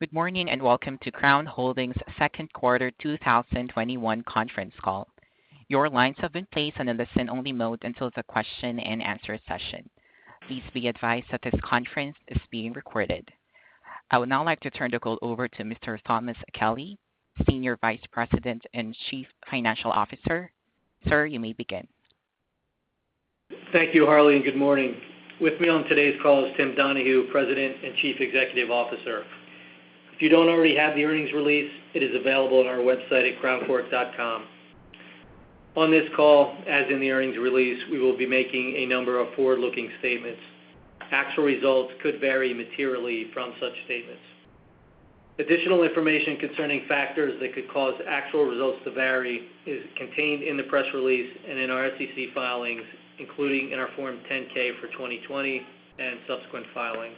Good morning, and welcome to Crown Holdings' Q2 2021 conference call. Your lines have been placed under listen-only mode until the question-and-answer session. Please be advised that this conference is being recorded. I would now like to turn the call over to Mr. Thomas Kelly, Senior Vice President and Chief Financial Officer. Sir, you may begin. Thank you, Harley, and good morning. With me on today's call is Timothy Donahue, President and Chief Executive Officer. If you don't already have the earnings release, it is available on our website at crowncork.com. On this call, as in the earnings release, we will be making a number of forward-looking statements. Actual results could vary materially from such statements. Additional information concerning factors that could cause actual results to vary is contained in the press release and in our SEC filings, including in our Form 10-K for 2020 and subsequent filings.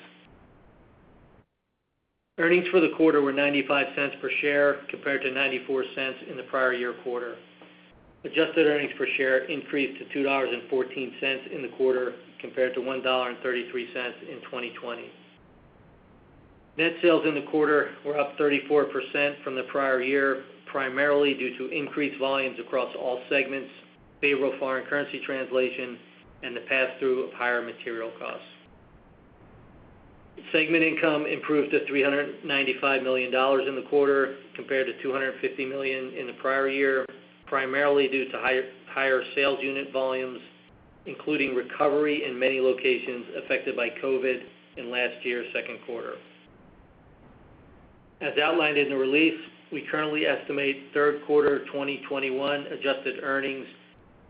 Earnings for the quarter were $0.95 per share compared to $0.94 in the prior year quarter. Adjusted earnings per share increased to $2.14 in the quarter compared to $1.33 in 2020. Net sales in the quarter were up 34% from the prior year, primarily due to increased volumes across all segments, favorable foreign currency translation, and the pass-through of higher material costs. Segment income improved to $395 million in the quarter, compared to $250 million in the prior year, primarily due to higher sales unit volumes, including recovery in many locations affected by COVID in last year's second quarter. As outlined in the release, we currently estimate third quarter 2021 adjusted earnings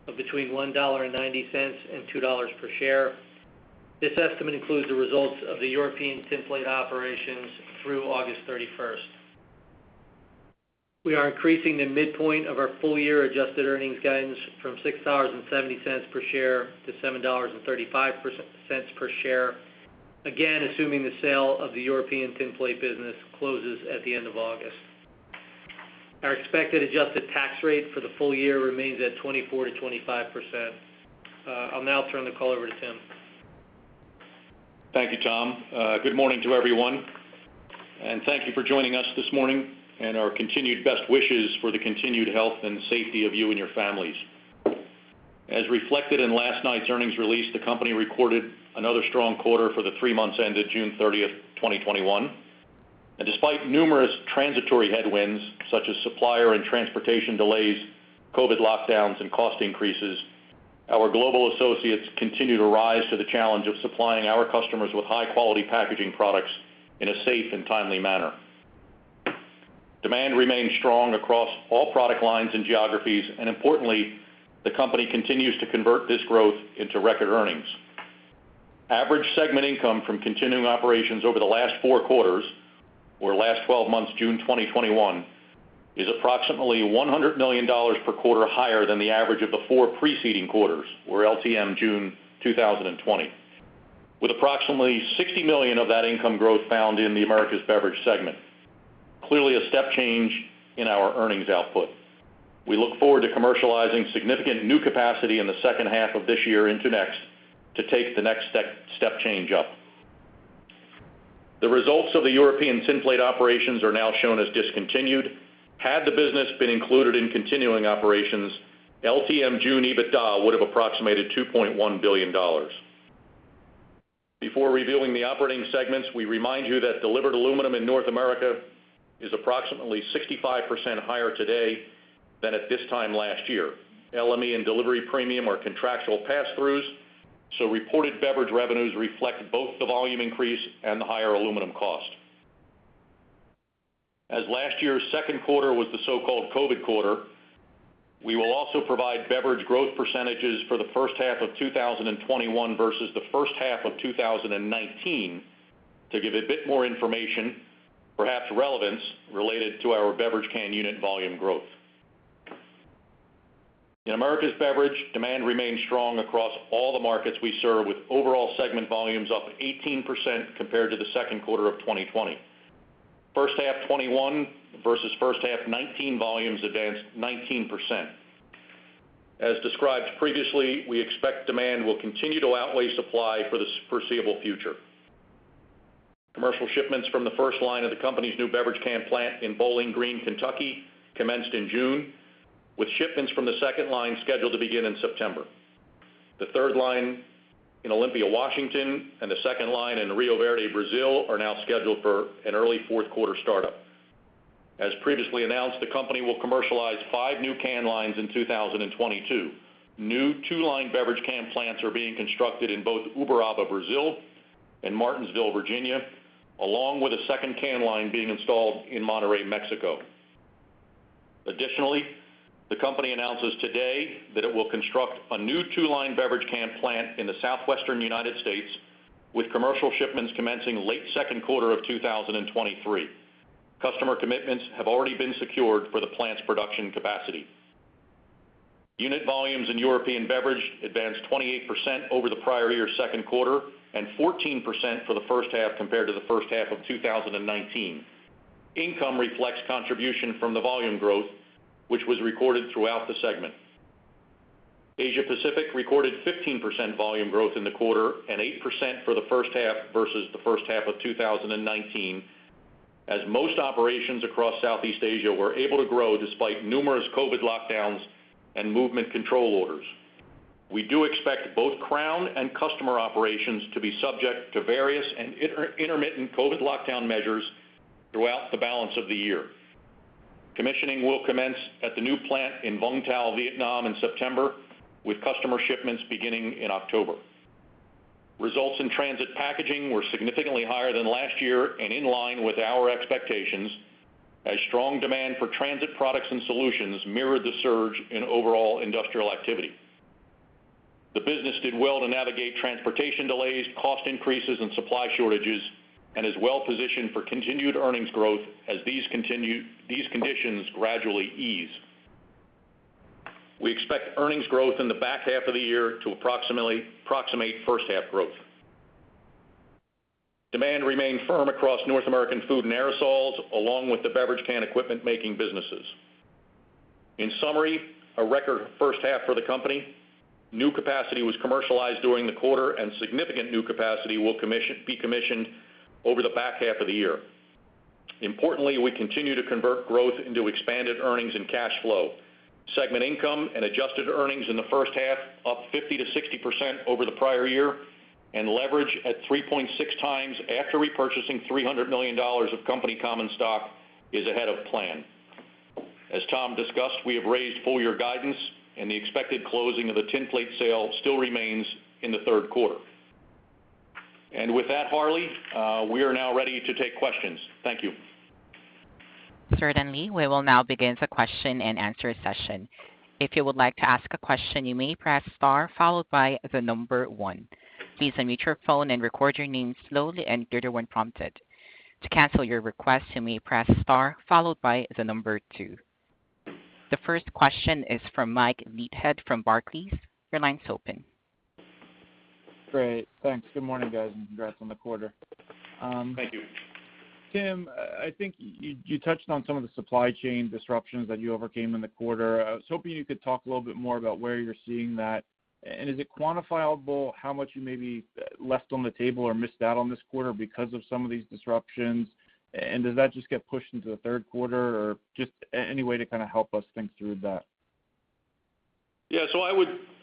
of between $1.90-$2.00 per share. This estimate includes the results of the European Tinplate operations through August 31st. We are increasing the midpoint of our full-year adjusted earnings guidance from $6.70 per share-$7.35 per share, again, assuming the sale of the European Tinplate business closes at the end of August. Our expected adjusted tax rate for the full year remains at 24%-25%. I'll now turn the call over to Tim. Thank you, Tom. Good morning to everyone, and thank you for joining us this morning, and our continued best wishes for the continued health and safety of you and your families. As reflected in last night's earnings release, the company recorded another strong quarter for the three months ended June 30th, 2021. Despite numerous transitory headwinds such as supplier and transportation delays, COVID lockdowns, and cost increases, our global associates continue to rise to the challenge of supplying our customers with high-quality packaging products in a safe and timely manner. Demand remains strong across all product lines and geographies, and importantly, the company continues to convert this growth into record earnings. Average segment income from continuing operations over the last four quarters or last 12 months June 2021, is approximately $100 million per quarter higher than the average of the four preceding quarters or LTM June 2020, with approximately $60 million of that income growth found in the Americas Beverage segment. Clearly a step change in our earnings output. We look forward to commercializing significant new capacity in the second half of this year into next to take the next step change up. The results of the European Tinplate operations are now shown as discontinued. Had the business been included in continuing operations, LTM June EBITDA would have approximated $2.1 billion. Before reviewing the operating segments, we remind you that delivered aluminum in North America is approximately 65% higher today than at this time last year. LME and delivery premium are contractual pass-throughs, so reported beverage revenues reflect both the volume increase and the higher aluminum cost. As last year's second quarter was the so-called COVID quarter, we will also provide beverage growth percentages for the first half of 2021 versus the first half of 2019 to give a bit more information, perhaps relevance, related to our beverage can unit volume growth. In Americas Beverage, demand remains strong across all the markets we serve, with overall segment volumes up 18% compared to the second quarter of 2020. First half 2021 versus first half 2019 volumes advanced 19%. As described previously, we expect demand will continue to outweigh supply for the foreseeable future. Commercial shipments from the first line of the company's new beverage can plant in Bowling Green, Kentucky, commenced in June, with shipments from the second line scheduled to begin in September. The third line in Olympia, Washington, and the second line in Rio Verde, Brazil, are now scheduled for an early fourth quarter startup. As previously announced, the company will commercialize five new can lines in 2022. New two-line beverage can plants are being constructed in both Uberaba, Brazil, and Martinsville, Virginia, along with a second can line being installed in Monterrey, Mexico. Additionally, the company announces today that it will construct a new two-line beverage can plant in the Southwestern United States, with commercial shipments commencing late second quarter of 2023. Customer commitments have already been secured for the plant's production capacity. Unit volumes in European Beverage advanced 28% over the prior year second quarter and 14% for the first half compared to the first half of 2019. Income reflects contribution from the volume growth, which was recorded throughout the segment. Asia Pacific recorded 15% volume growth in the quarter and 8% for the first half versus the first half of 2019, as most operations across Southeast Asia were able to grow despite numerous COVID lockdowns and movement control orders. We do expect both Crown and customer operations to be subject to various and intermittent COVID lockdown measures throughout the balance of the year. Commissioning will commence at the new plant in Vũng Tàu, Vietnam, in September, with customer shipments beginning in October. Results in transit packaging were significantly higher than last year and in line with our expectations as strong demand for transit products and solutions mirrored the surge in overall industrial activity. The business did well to navigate transportation delays, cost increases, and supply shortages, and is well-positioned for continued earnings growth as these conditions gradually ease. We expect earnings growth in the back half of the year to approximate first half growth. Demand remained firm across North American food and aerosols, along with the beverage can equipment making businesses. In summary, a record first half for the company. New capacity was commercialized during the quarter, and significant new capacity will be commissioned over the back half of the year. Importantly, we continue to convert growth into expanded earnings and cash flow. Segment income and adjusted earnings in the first half up 50%-60% over the prior year, and leverage at 3.6x after repurchasing $300 million of company common stock is ahead of plan. As Tom discussed, we have raised full-year guidance and the expected closing of the European Tinplate sale still remains in the third quarter. With that, Harley, we are now ready to take questions. Thank you. Certainly. We will now begin the question and answer session. The first question is from Michael Leithead from Barclays. Your line's open. Great. Thanks. Good morning, guys, and congrats on the quarter. Thank you. Tim, I think you touched on some of the supply chain disruptions that you overcame in the quarter. I was hoping you could talk a little bit more about where you're seeing that. Is it quantifiable how much you maybe left on the table or missed out on this quarter because of some of these disruptions? Does that just get pushed into the third quarter? Just any way to kind of help us think through that?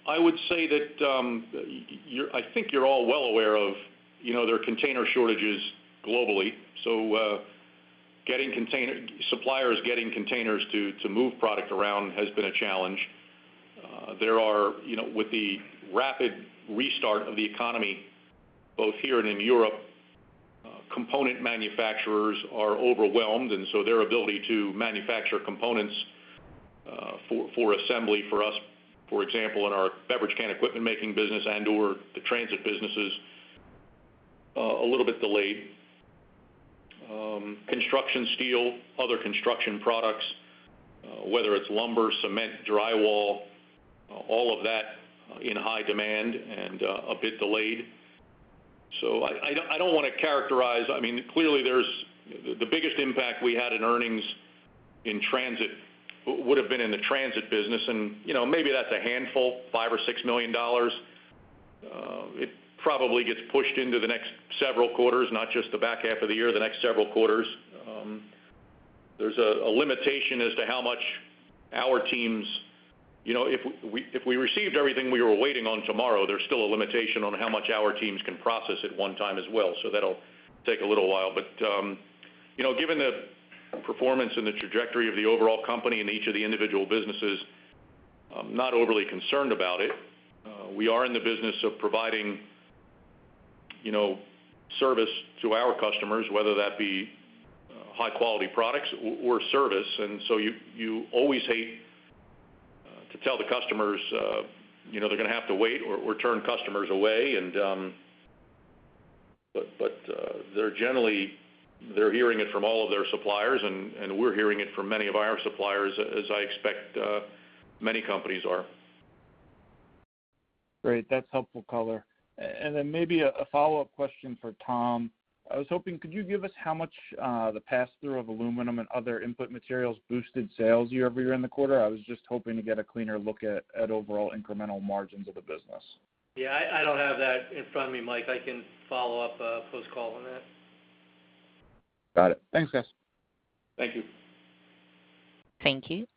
I would say that, I think you're all well aware of there are container shortages globally. Suppliers getting containers to move product around has been a challenge. With the rapid restart of the economy both here and in Europe, component manufacturers are overwhelmed, their ability to manufacture components for assembly for us, for example, in our beverage can equipment making business and/or the transit business is a little bit delayed. Construction steel, other construction products, whether it's lumber, cement, drywall, all of that in high demand and a bit delayed. Clearly, the biggest impact we had in earnings would've been in the transit business, and maybe that's a handful, $5 or $6 million. It probably gets pushed into the next several quarters, not just the back half of the year, the next several quarters. There's a limitation as to how much our teams. If we received everything we were waiting on tomorrow, there's still a limitation on how much our teams can process at one time as well. That'll take a little while. Given the performance and the trajectory of the overall company and each of the individual businesses, I'm not overly concerned about it. We are in the business of providing service to our customers, whether that be high-quality products or service. You always hate to tell the customers they're going to have to wait or turn customers away. They're hearing it from all of their suppliers, and we're hearing it from many of our suppliers, as I expect many companies are. Great. That's helpful color. Maybe a follow-up question for Tom. I was hoping, could you give us how much the pass-through of aluminum and other input materials boosted sales year-over-year in the quarter? I was just hoping to get a cleaner look at overall incremental margins of the business. Yeah, I don't have that in front of me, Mike. I can follow up post-call on that. Got it. Thanks, guys. Thank you. Thank you.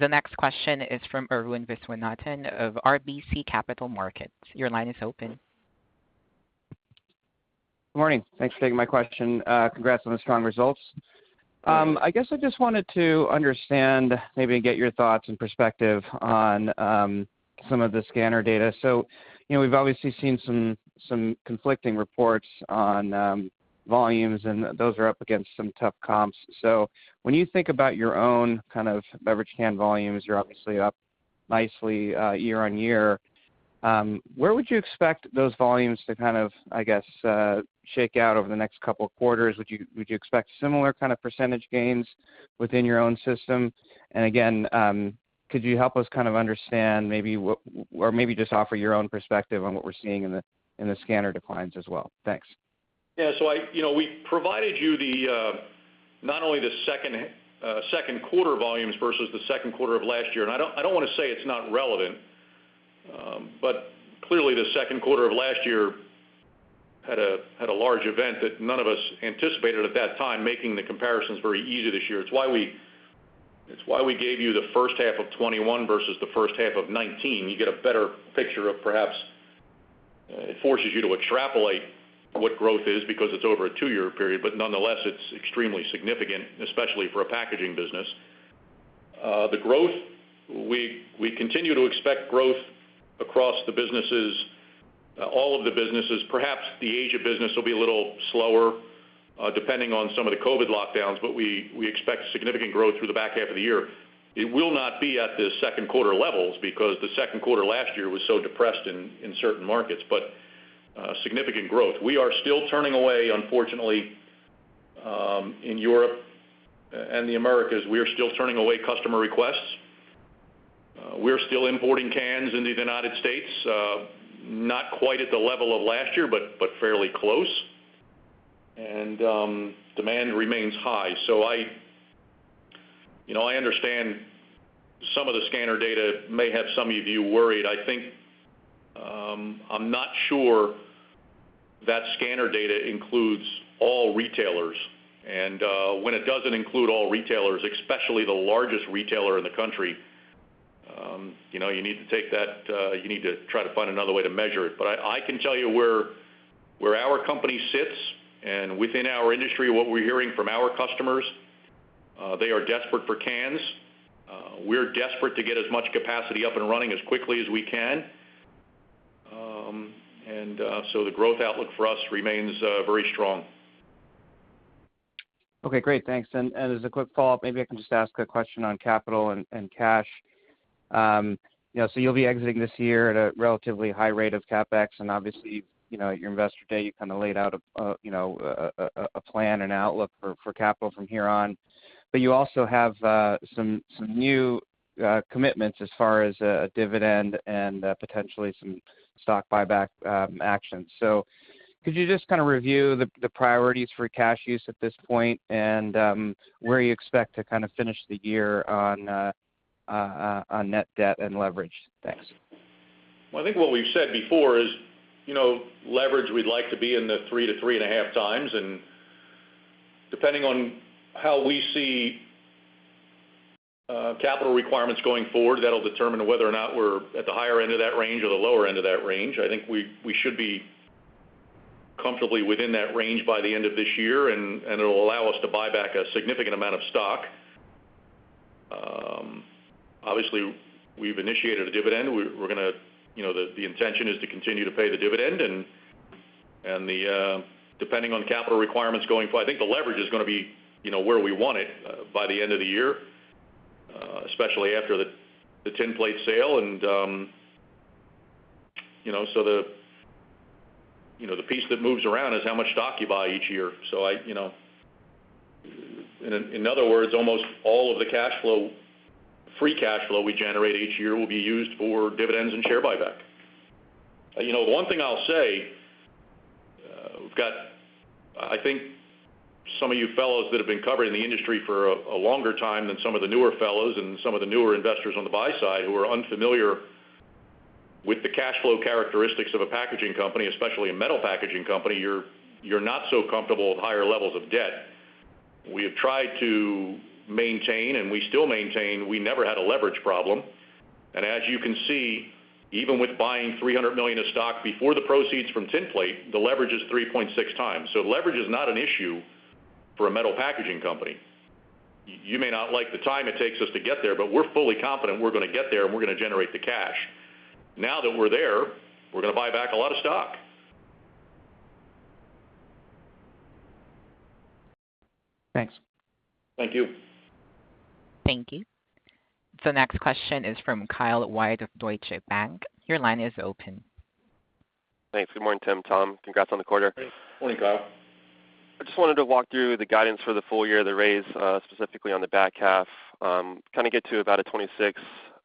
The next question is from Arun Viswanathan of RBC Capital Markets. Your line is open. Good morning. Thanks for taking my question. Congrats on the strong results. Thanks. I guess I just wanted to understand, maybe get your thoughts and perspective on some of the scanner data. We've obviously seen some conflicting reports on volumes, and those are up against some tough comps. When you think about your own kind of beverage can volumes, you're obviously up nicely year-on-year. Where would you expect those volumes to kind of, I guess, shake out over the next couple of quarters? Would you expect similar kind of percentage gains within your own system? Again, could you help us kind of understand or maybe just offer your own perspective on what we're seeing in the scanner declines as well? Thanks. We provided you not only the second quarter volumes versus the second quarter of last year, and I don't want to say it's not relevant, but clearly the second quarter of last year had a large event that none of us anticipated at that time, making the comparisons very easy this year. It's why we gave you the first half of 2021 versus the 1st half of 2019. You get a better picture of perhaps, it forces you to extrapolate what growth is because it's over a two-year period. Nonetheless, it's extremely significant, especially for a packaging business. The growth, we continue to expect growth across the businesses, all of the businesses. Perhaps the Asia business will be a little slower, depending on some of the COVID lockdowns, but we expect significant growth through the back half of the year. It will not be at the second quarter levels because the second quarter last year was so depressed in certain markets. Significant growth. We are still turning away, unfortunately, in Europe and the Americas, we are still turning away customer requests. We're still importing cans into the United States, not quite at the level of last year. Fairly close. Demand remains high. I understand some of the scanner data may have some of you worried. I'm not sure that scanner data includes all retailers. When it doesn't include all retailers, especially the largest retailer in the country, you need to try to find another way to measure it. I can tell you where our company sits and within our industry, what we're hearing from our customers, they are desperate for cans. We're desperate to get as much capacity up and running as quickly as we can. The growth outlook for us remains very strong. Okay, great. Thanks. As a quick follow-up, maybe I can just ask a question on capital and cash. You'll be exiting this year at a relatively high rate of CapEx, and obviously, at your investor day, you kind of laid out a plan and outlook for capital from here on. You also have some new commitments as far as a dividend and potentially some stock buyback actions. Could you just kind of review the priorities for cash use at this point and where you expect to kind of finish the year on net debt and leverage? Thanks. I think what we've said before is leverage we'd like to be in the 3x-3.5x, and depending on how we see capital requirements going forward, that'll determine whether or not we're at the higher end of that range or the lower end of that range. I think we should be comfortably within that range by the end of this year, and it'll allow us to buy back a significant amount of stock. Obviously, we've initiated a dividend. The intention is to continue to pay the dividend, and depending on capital requirements going forward, I think the leverage is going to be where we want it by the end of the year, especially after the European Tinplate sale. The piece that moves around is how much stock you buy each year. In other words, almost all of the free cash flow we generate each year will be used for dividends and share buyback. The one thing I'll say, I think some of you fellows that have been covering the industry for a longer time than some of the newer fellows and some of the newer investors on the buy side who are unfamiliar with the cash flow characteristics of a packaging company, especially a metal packaging company, you're not so comfortable with higher levels of debt. We have tried to maintain, and we still maintain, we never had a leverage problem. As you can see, even with buying $300 million of stock before the proceeds from European Tinplate, the leverage is 3.6x. Leverage is not an issue for a metal packaging company. You may not like the time it takes us to get there, but we're fully confident we're going to get there and we're going to generate the cash. Now that we're there, we're going to buy back a lot of stock. Thanks. Thank you. Thank you. Next question is from Kyle White of Deutsche Bank. Your line is open. Thanks. Good morning, Tim, Tom. Congrats on the quarter. Thanks. Morning, Kyle. I just wanted to walk through the guidance for the full year, the raise, specifically on the back half. Kind of get to about a $0.26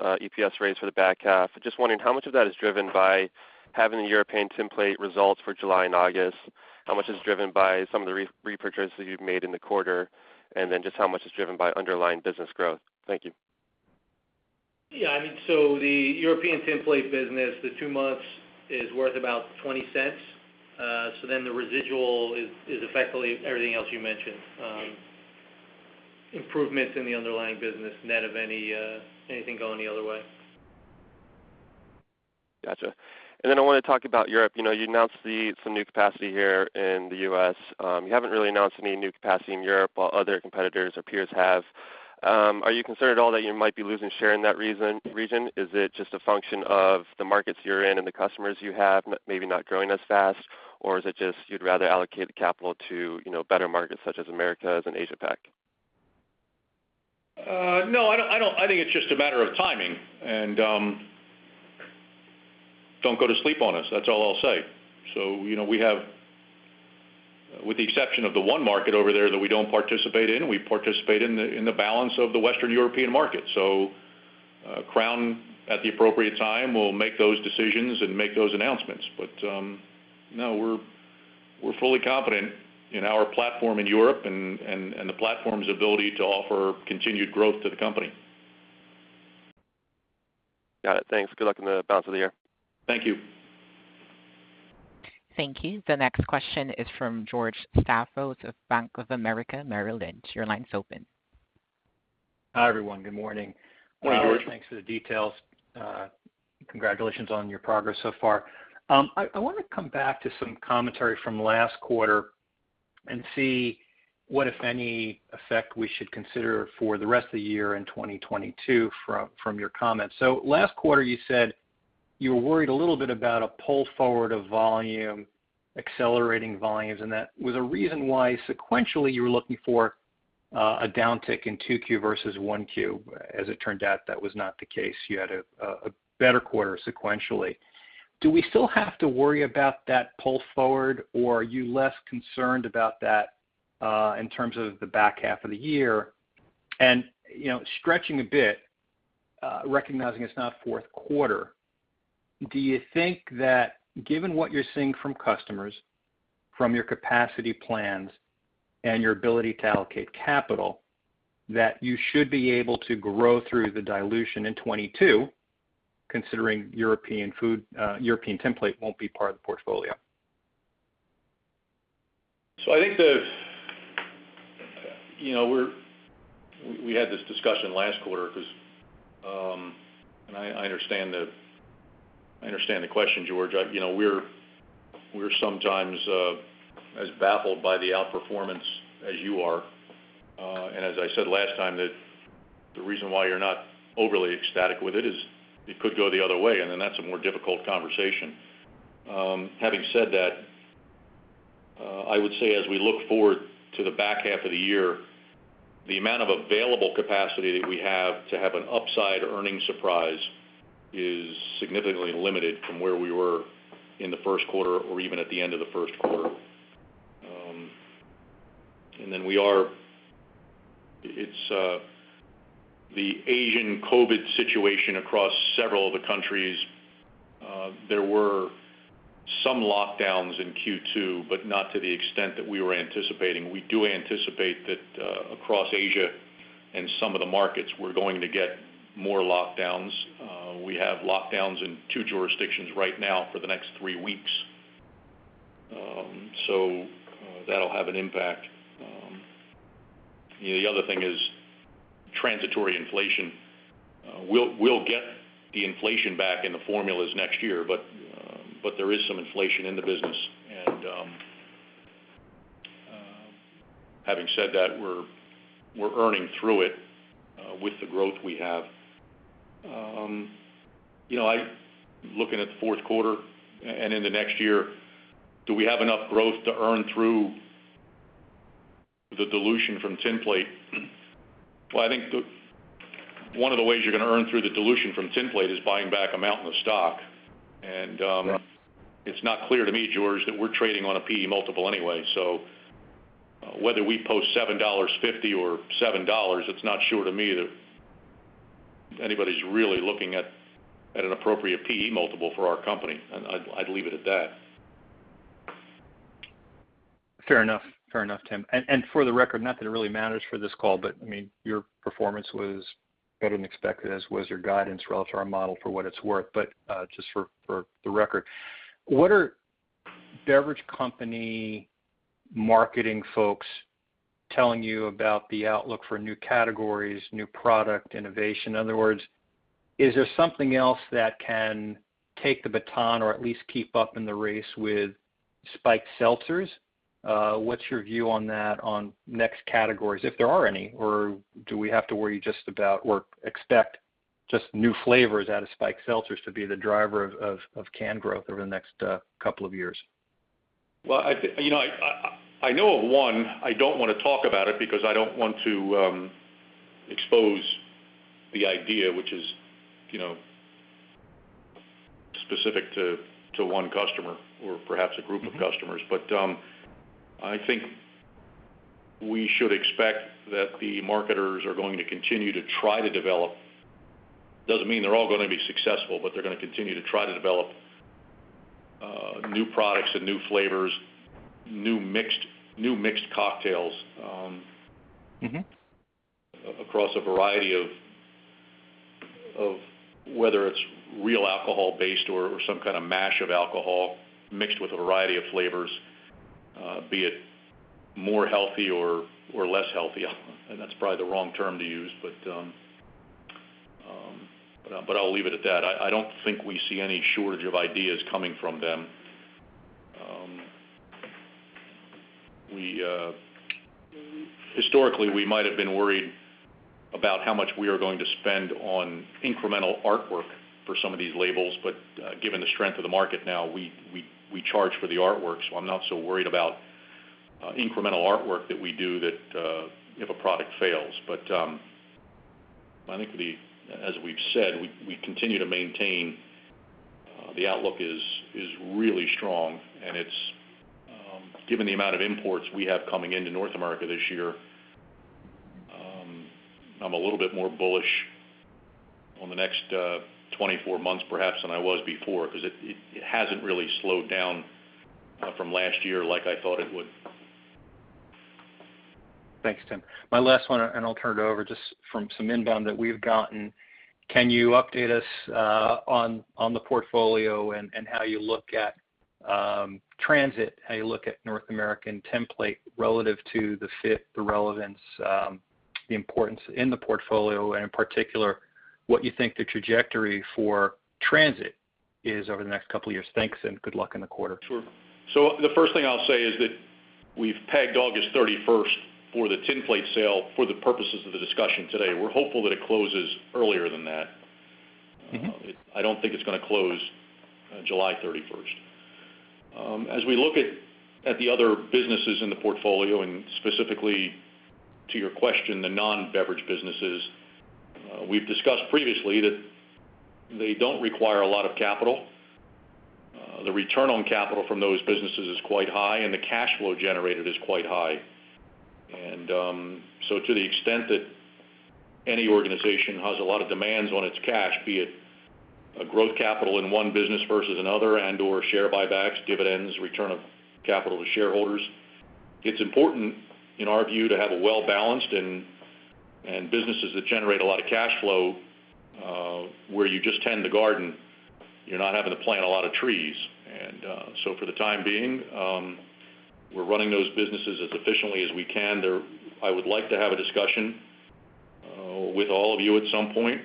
EPS raise for the back half. Just wondering how much of that is driven by having the European Tinplate results for July and August, how much is driven by some of the repurchases you've made in the quarter, and then just how much is driven by underlying business growth? Thank you. The European Tinplate business, the two months is worth about $0.20. The residual is effectively everything else you mentioned. Okay. Improvements in the underlying business, net of anything going the other way. Got you. I want to talk about Europe. You announced some new capacity here in the U.S. You haven't really announced any new capacity in Europe while other competitors or peers have. Are you concerned at all that you might be losing share in that region? Is it just a function of the markets you're in and the customers you have maybe not growing as fast? Is it just you'd rather allocate the capital to better markets such as Americas and Asia-Pac? No, I think it's just a matter of timing. Don't go to sleep on us. That's all I'll say. With the exception of the one market over there that we don't participate in, we participate in the balance of the Western European market. Crown at the appropriate time will make those decisions and make those announcements. No, we're fully confident in our platform in Europe and the platform's ability to offer continued growth to the company. Got it. Thanks. Good luck in the balance of the year. Thank you. Thank you. The next question is from George Staphos of Bank of America Merrill Lynch. Your line's open. Hi, everyone. Good morning. Good morning, George. Thanks for the details. Congratulations on your progress so far. I want to come back to some commentary from last quarter and see what, if any, effect we should consider for the rest of the year in 2022 from your comments. Last quarter, you said you were worried a little bit about a pull forward of volume, accelerating volumes, and that was a reason why sequentially you were looking for a downtick in 2Q versus 1Q. As it turned out, that was not the case. You had a better quarter sequentially. Do we still have to worry about that pull forward, or are you less concerned about that in terms of the back half of the year? Stretching a bit, recognizing it's not fourth quarter, do you think that given what you're seeing from customers, from your capacity plans, and your ability to allocate capital, that you should be able to grow through the dilution in 2022, considering European Tinplate won't be part of the portfolio? I think that we had this discussion last quarter, because, and I understand the question, George. We're sometimes as baffled by the outperformance as you are. As I said last time that the reason why you're not overly ecstatic with it is it could go the other way, and then that's a more difficult conversation. Having said that, I would say as we look forward to the back half of the year, the amount of available capacity that we have to have an upside earnings surprise is significantly limited from where we were in the first quarter or even at the end of the first quarter. Then it's the Asian COVID situation across several of the countries. There were some lockdowns in Q2, but not to the extent that we were anticipating. We do anticipate that across Asia and some of the markets, we're going to get more lockdowns. We have lockdowns in two jurisdictions right now for the next three weeks. That'll have an impact. The other thing is transitory inflation. We'll get the inflation back in the formulas next year, but there is some inflation in the business. Having said that, we're earning through it with the growth we have. Looking at the fourth quarter and into next year, do we have enough growth to earn through the dilution from European Tinplate? I think one of the ways you're going to earn through the dilution from European Tinplate is buying back a mountain of stock. Yeah It's not clear to me, George, that we're trading on a PE multiple anyway. Whether we post $7.50 or $7, it's not sure to me that anybody's really looking at an appropriate PE multiple for our company. I'd leave it at that. Fair enough. Fair enough, Tim. For the record, not that it really matters for this call, your performance was better than expected, as was your guidance relative to our model, for what it's worth. Just for the record, what are beverage company marketing folks telling you about the outlook for new categories, new product innovation? In other words, is there something else that can take the baton or at least keep up in the race with spiked seltzers? What's your view on that on next categories, if there are any? Do we have to worry just about or expect just new flavors out of spiked seltzers to be the driver of can growth over the next couple of years? I know of one. I don't want to talk about it because I don't want to expose the idea, which is specific to one customer or perhaps a group of customers. I think we should expect that the marketers are going to continue to try to develop. It doesn't mean they're all going to be successful, but they're going to continue to try to develop new products and new flavors, new mixed cocktails. across a variety of whether it's real alcohol-based or some kind of mash of alcohol mixed with a variety of flavors, be it more healthy or less healthy. That's probably the wrong term to use, but I'll leave it at that. I don't think we see any shortage of ideas coming from them. Historically, we might have been worried about how much we are going to spend on incremental artwork for some of these labels. Given the strength of the market now, we charge for the artwork, so I'm not so worried about incremental artwork that we do if a product fails. I think as we've said, we continue to maintain the outlook is really strong, and it's given the amount of imports we have coming into North America this year, I'm a little bit more bullish on the next 24 months perhaps than I was before, because it hasn't really slowed down from last year like I thought it would. Thanks, Tim. My last one, and I'll turn it over, just from some inbound that we've gotten, can you update us on the portfolio and how you look at transit, how you look at North American Tinplate relative to the fit, the relevance, the importance in the portfolio, and in particular, what you think the trajectory for transit is over the next two years? Thanks, and good luck in the quarter. Sure. The first thing I'll say is that we've pegged August 31st for the European Tinplate sale for the purposes of the discussion today. We're hopeful that it closes earlier than that. I don't think it's going to close on July 31st. As we look at the other businesses in the portfolio, and specifically to your question, the non-beverage businesses, we've discussed previously that they don't require a lot of capital. The return on capital from those businesses is quite high, and the cash flow generated is quite high. To the extent that any organization has a lot of demands on its cash, be it a growth capital in one business versus another, and/or share buybacks, dividends, return of capital to shareholders, it's important, in our view, to have a well-balanced and businesses that generate a lot of cash flow, where you just tend the garden. You're not having to plant a lot of trees. For the time being, we're running those businesses as efficiently as we can. I would like to have a discussion with all of you at some point,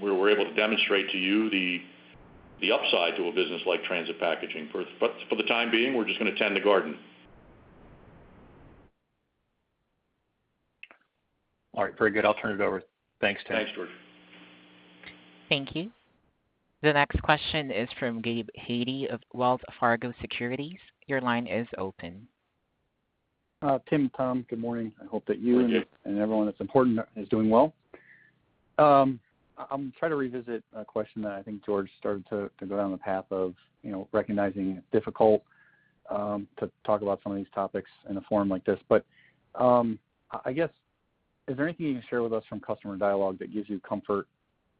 where we're able to demonstrate to you the upside to a business like transit packaging. For the time being, we're just going to tend the garden. All right. Very good. I'll turn it over. Thanks, Tim. Thanks, George. Thank you. The next question is from Gabe Hajde of Wells Fargo Securities. Your line is open. Tim, Tom, good morning. Good morning. Everyone that's important is doing well. I'm going to try to revisit a question that I think George started to go down the path of recognizing it's difficult to talk about some of these topics in a forum like this. I guess, is there anything you can share with us from customer dialogue that gives you comfort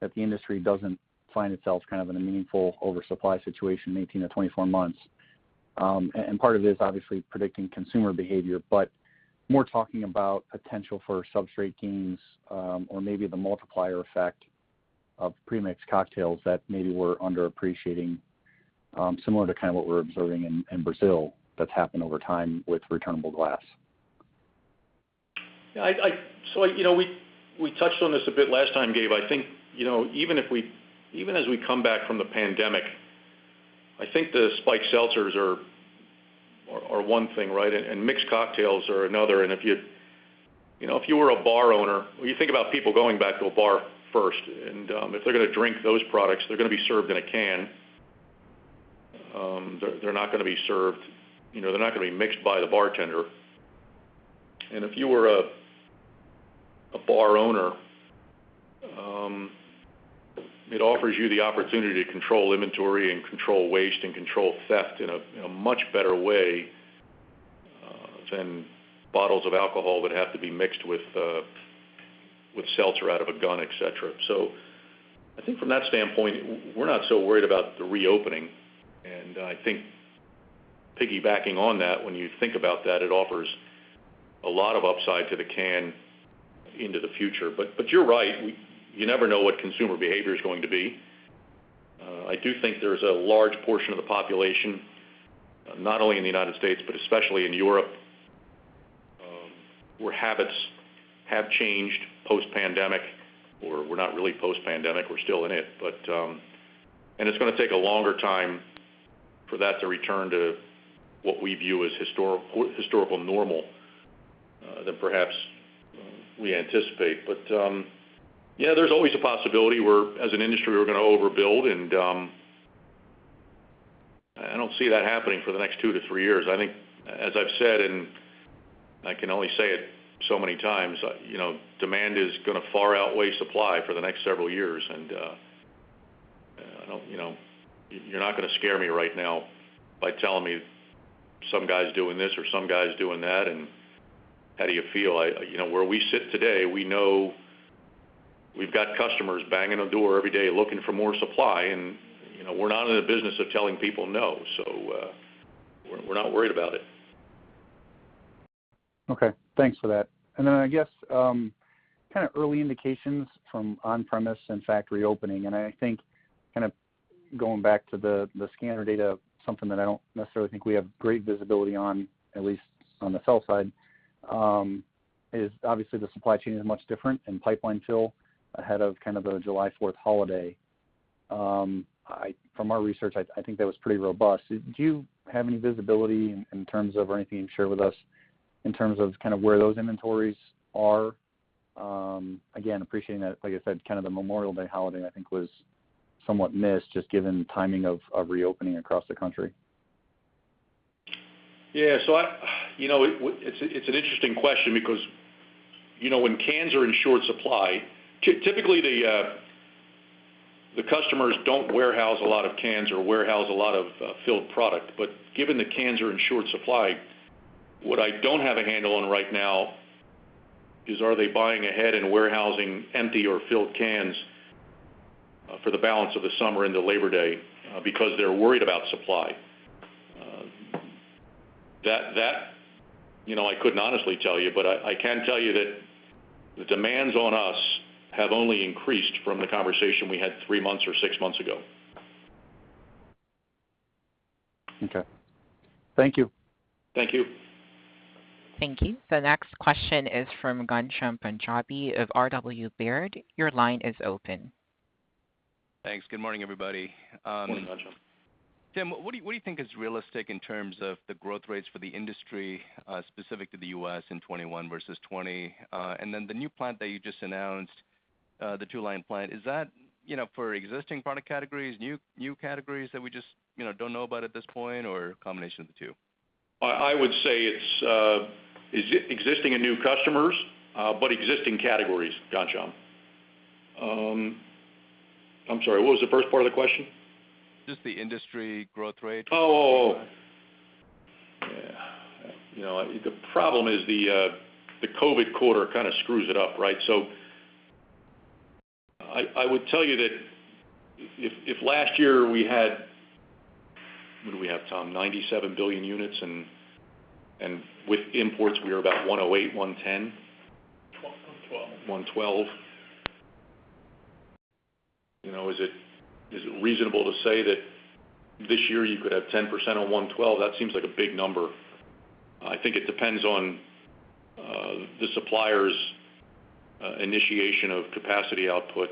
that the industry doesn't find itself in a meaningful oversupply situation in 18 months-24 months? Part of it is obviously predicting consumer behavior, but more talking about potential for substrate gains, or maybe the multiplier effect of pre-mixed cocktails that maybe we're under-appreciating, similar to what we're observing in Brazil that's happened over time with returnable glass. We touched on this a bit last time, Gabe. I think, even as we come back from the pandemic, I think the spiked seltzers are one thing, right? Mixed cocktails are another. If you were a bar owner, when you think about people going back to a bar first, and if they're going to drink those products, they're going to be served in a can. They're not going to be mixed by the bartender. If you were a bar owner, it offers you the opportunity to control inventory, and control waste, and control theft in a much better way than bottles of alcohol would have to be mixed with seltzer out of a gun, et cetera. I think from that standpoint, we're not so worried about the reopening. I think piggybacking on that, when you think about that, it offers a lot of upside to the can into the future. You're right. You never know what consumer behavior is going to be. I do think there's a large portion of the population, not only in the U.S., but especially in Europe, where habits have changed post-pandemic. We're not really post-pandemic, we're still in it. It's going to take a longer time for that to return to what we view as historical normal, than perhaps we anticipate. Yeah, there's always a possibility where, as an industry, we're going to overbuild, and I don't see that happening for the next two to three years. I think, as I've said, and I can only say it so many times, demand is going to far outweigh supply for the next several years. You're not going to scare me right now by telling me some guy's doing this or some guy's doing that, and how do you feel? Where we sit today, we know we've got customers banging on the door every day looking for more supply, and we're not in the business of telling people no. We're not worried about it. Okay. Thanks for that. I guess, early indications from on-premise and factory opening, I think going back to the scanner data, something that I don't necessarily think we have great visibility on, at least on the sell side, is obviously the supply chain is much different, and pipeline fill ahead of the July 4th holiday. From our research, I think that was pretty robust. Do you have any visibility in terms of, or anything to share with us, in terms of where those inventories are? Again, appreciating that, like I said, the Memorial Day holiday, I think, was somewhat missed, just given timing of reopening across the country. Yeah. It's an interesting question because when cans are in short supply, typically the customers don't warehouse a lot of cans or warehouse a lot of filled product. Given the cans are in short supply, what I don't have a handle on right now is are they buying ahead and warehousing empty or filled cans for the balance of the summer into Labor Day because they're worried about supply? I couldn't honestly tell you, I can tell you that the demands on us have only increased from the conversation we had three months or six months ago. Okay. Thank you. Thank you. Thank you. The next question is from Ghansham Panjabi of RW Baird. Your line is open. Thanks. Good morning, everybody. Morning, Ghansham. Tim, what do you think is realistic in terms of the growth rates for the industry, specific to the U.S., in 2021 versus 2020? The new plant that you just announced, the two-line plant, is that for existing product categories, new categories that we just don't know about at this point, or a combination of the two? I would say it's existing and new customers, but existing categories, Ghansham. I'm sorry, what was the first part of the question? Just the industry growth rate. Oh. The problem is the COVID quarter kind of screws it up, right? I would tell you that if last year we had, what did we have, Tom, 97 billion units, and with imports, we were about 108 billion units, 110 billion units? 112 billion units. Is it reasonable to say that this year you could have 10% on 112 billion units? That seems like a big number. I think it depends on the supplier's initiation of capacity output.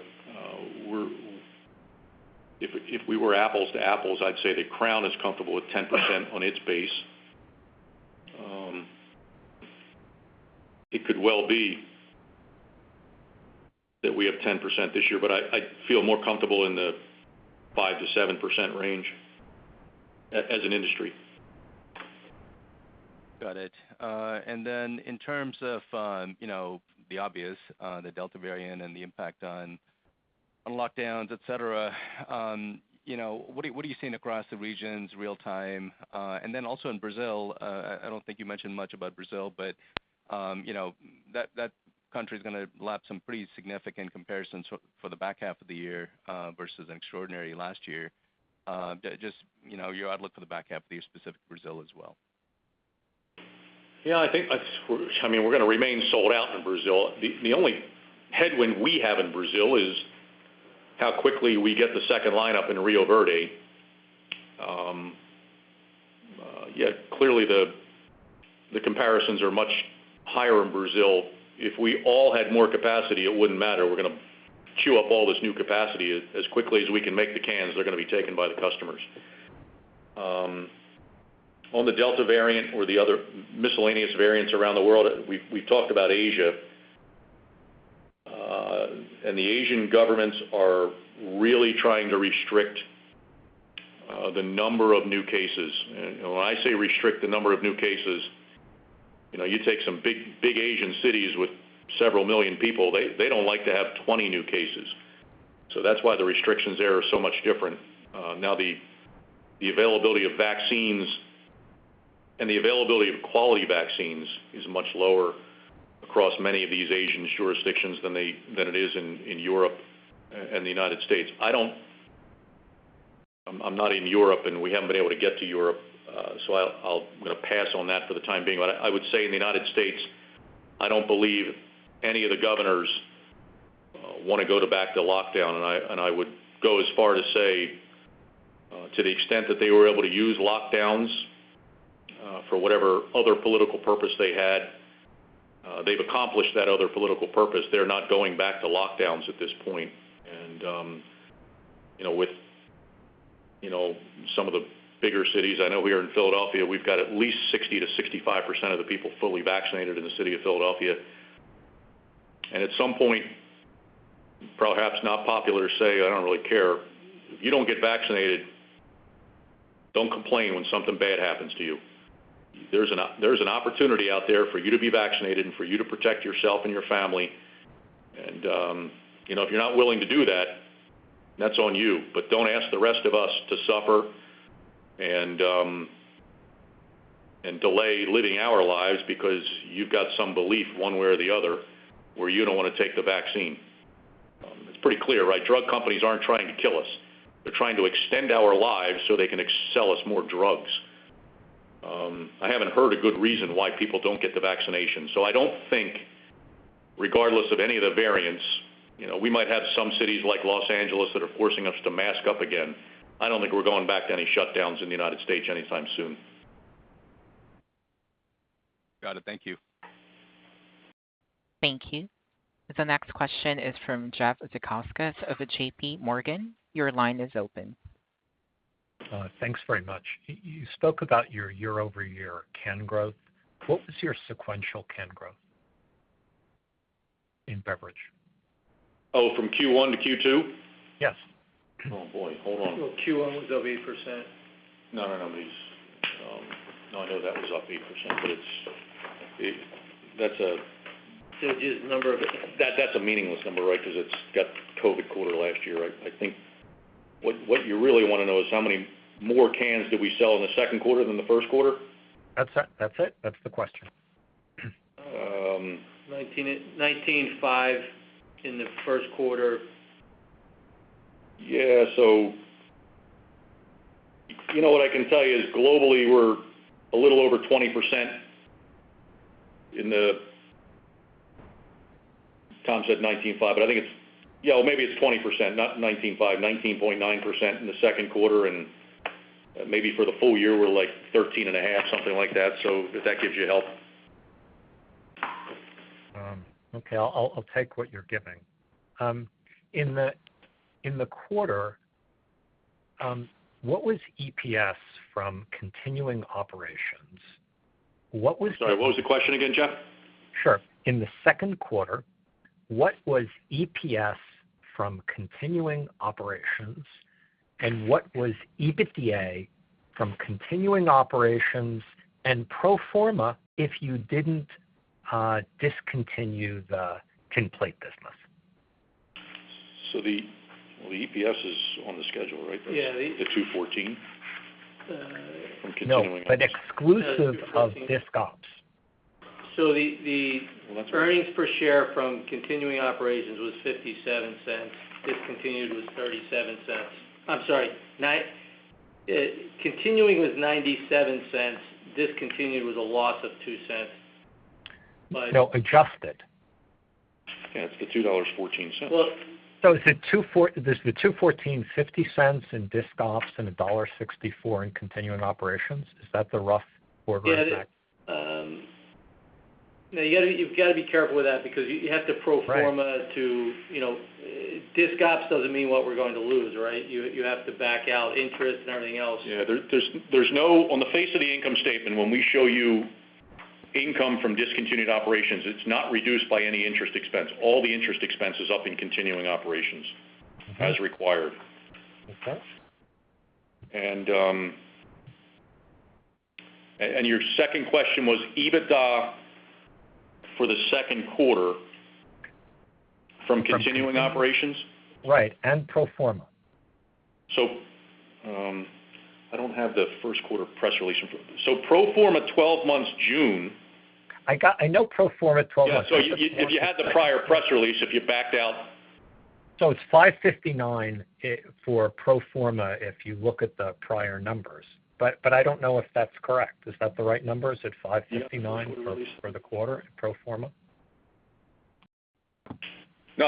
If we were apples to apples, I'd say that Crown is comfortable with 10% on its base. It could well be that we have 10% this year, but I feel more comfortable in the 5%-7% range as an industry. Got it. In terms of the obvious, the Delta variant and the impact on lockdowns, et cetera, what are you seeing across the regions real time? Also in Brazil, I don't think you mentioned much about Brazil, but that country's going to lap some pretty significant comparisons for the back half of the year versus an extraordinary last year. Just your outlook for the back half of the year, specific to Brazil as well. We're going to remain sold out in Brazil. The only headwind we have in Brazil is how quickly we get the second line up in Rio Verde. Clearly, the comparisons are much higher in Brazil. If we all had more capacity, it wouldn't matter. We're going to chew up all this new capacity. As quickly as we can make the cans, they're going to be taken by the customers. On the Delta variant or the other miscellaneous variants around the world, we've talked about Asia. The Asian governments are really trying to restrict the number of new cases. When I say restrict the number of new cases, you take some big Asian cities with several million people, they don't like to have 20 new cases. That's why the restrictions there are so much different. The availability of vaccines and the availability of quality vaccines is much lower across many of these Asian jurisdictions than it is in Europe and the U.S. I'm not in Europe, and we haven't been able to get to Europe, so I'll pass on that for the time being. I would say in the U.S., I don't believe any of the governors want to go back to lockdown, and I would go as far to say to the extent that they were able to use lockdowns for whatever other political purpose they had, they've accomplished that other political purpose. They're not going back to lockdowns at this point. With some of the bigger cities, I know here in Philadelphia, we've got at least 60%-65% of the people fully vaccinated in the city of Philadelphia. At some point, perhaps not popular to say, I don't really care. If you don't get vaccinated, don't complain when something bad happens to you. There's an opportunity out there for you to be vaccinated and for you to protect yourself and your family. If you're not willing to do that's on you. Don't ask the rest of us to suffer and delay living our lives because you've got some belief one way or the other where you don't want to take the vaccine. It's pretty clear, right? Drug companies aren't trying to kill us. They're trying to extend our lives so they can sell us more drugs. I haven't heard a good reason why people don't get the vaccination. I don't think, regardless of any of the variants, we might have some cities like Los Angeles that are forcing us to mask up again. I don't think we're going back to any shutdowns in the United States anytime soon. Got it. Thank you. Thank you. The next question is from Jeffrey Zekauskas of JPMorgan. Your line is open. Thanks very much. You spoke about your year-over-year can growth. What was your sequential can growth in beverage? Oh, from Q1-Q2? Yes. Oh, boy. Hold on. Q1 was up 8%. No, no. Let me see. I know that was up 8%, but that's a meaningless number, right? It's got COVID quarter last year. I think what you really want to know is how many more cans did we sell in the second quarter than the first quarter? That's it. That's the question. 19.5 in the first quarter. Yeah. What I can tell you is globally, we're a little over 20%. Tom said 19.5%, but I think maybe it's 20%, not 19.5%. 19.9% in the second quarter, and maybe for the full year, we're 13.5%, something like that. If that gives you help. Okay. I'll take what you're giving. In the quarter, what was EPS from continuing operations? Sorry, what was the question again, Jeff? Sure. In the second quarter, what was EPS from continuing operations, and what was EBITDA from continuing operations and pro forma if you didn't discontinue the Tinplate business? The EPS is on the schedule, right? Yeah. The $214 from continuing operations. No, exclusive of disc ops. The earnings per share from continuing operations was $0.57. Discontinued was $0.37. I'm sorry, continuing was $0.97. Discontinued was a loss of $0.02. No, adjusted. Yeah, it's the $2.14. Well- Is the $2.14, $0.50 in disc ops and $1.64 in continuing operations? Is that the rough quarter impact? Yeah. You've got to be careful with that because you have to pro forma disc ops doesn't mean what we're going to lose, right? You have to back out interest and everything else. Yeah. On the face of the income statement, when we show you income from discontinued operations, it's not reduced by any interest expense. All the interest expense is up in continuing operations as required. Okay. Your second question was EBITDA for the second quarter from continuing operations? Right, pro forma. I don't have the first quarter press release in front of me. pro forma 12 months June. I know pro forma 12 months. Yeah. If you had the prior press release, if you backed out- It's $559 for pro forma if you look at the prior numbers, but I don't know if that's correct. Is that the right number? Is it $559 for the quarter in pro forma? No.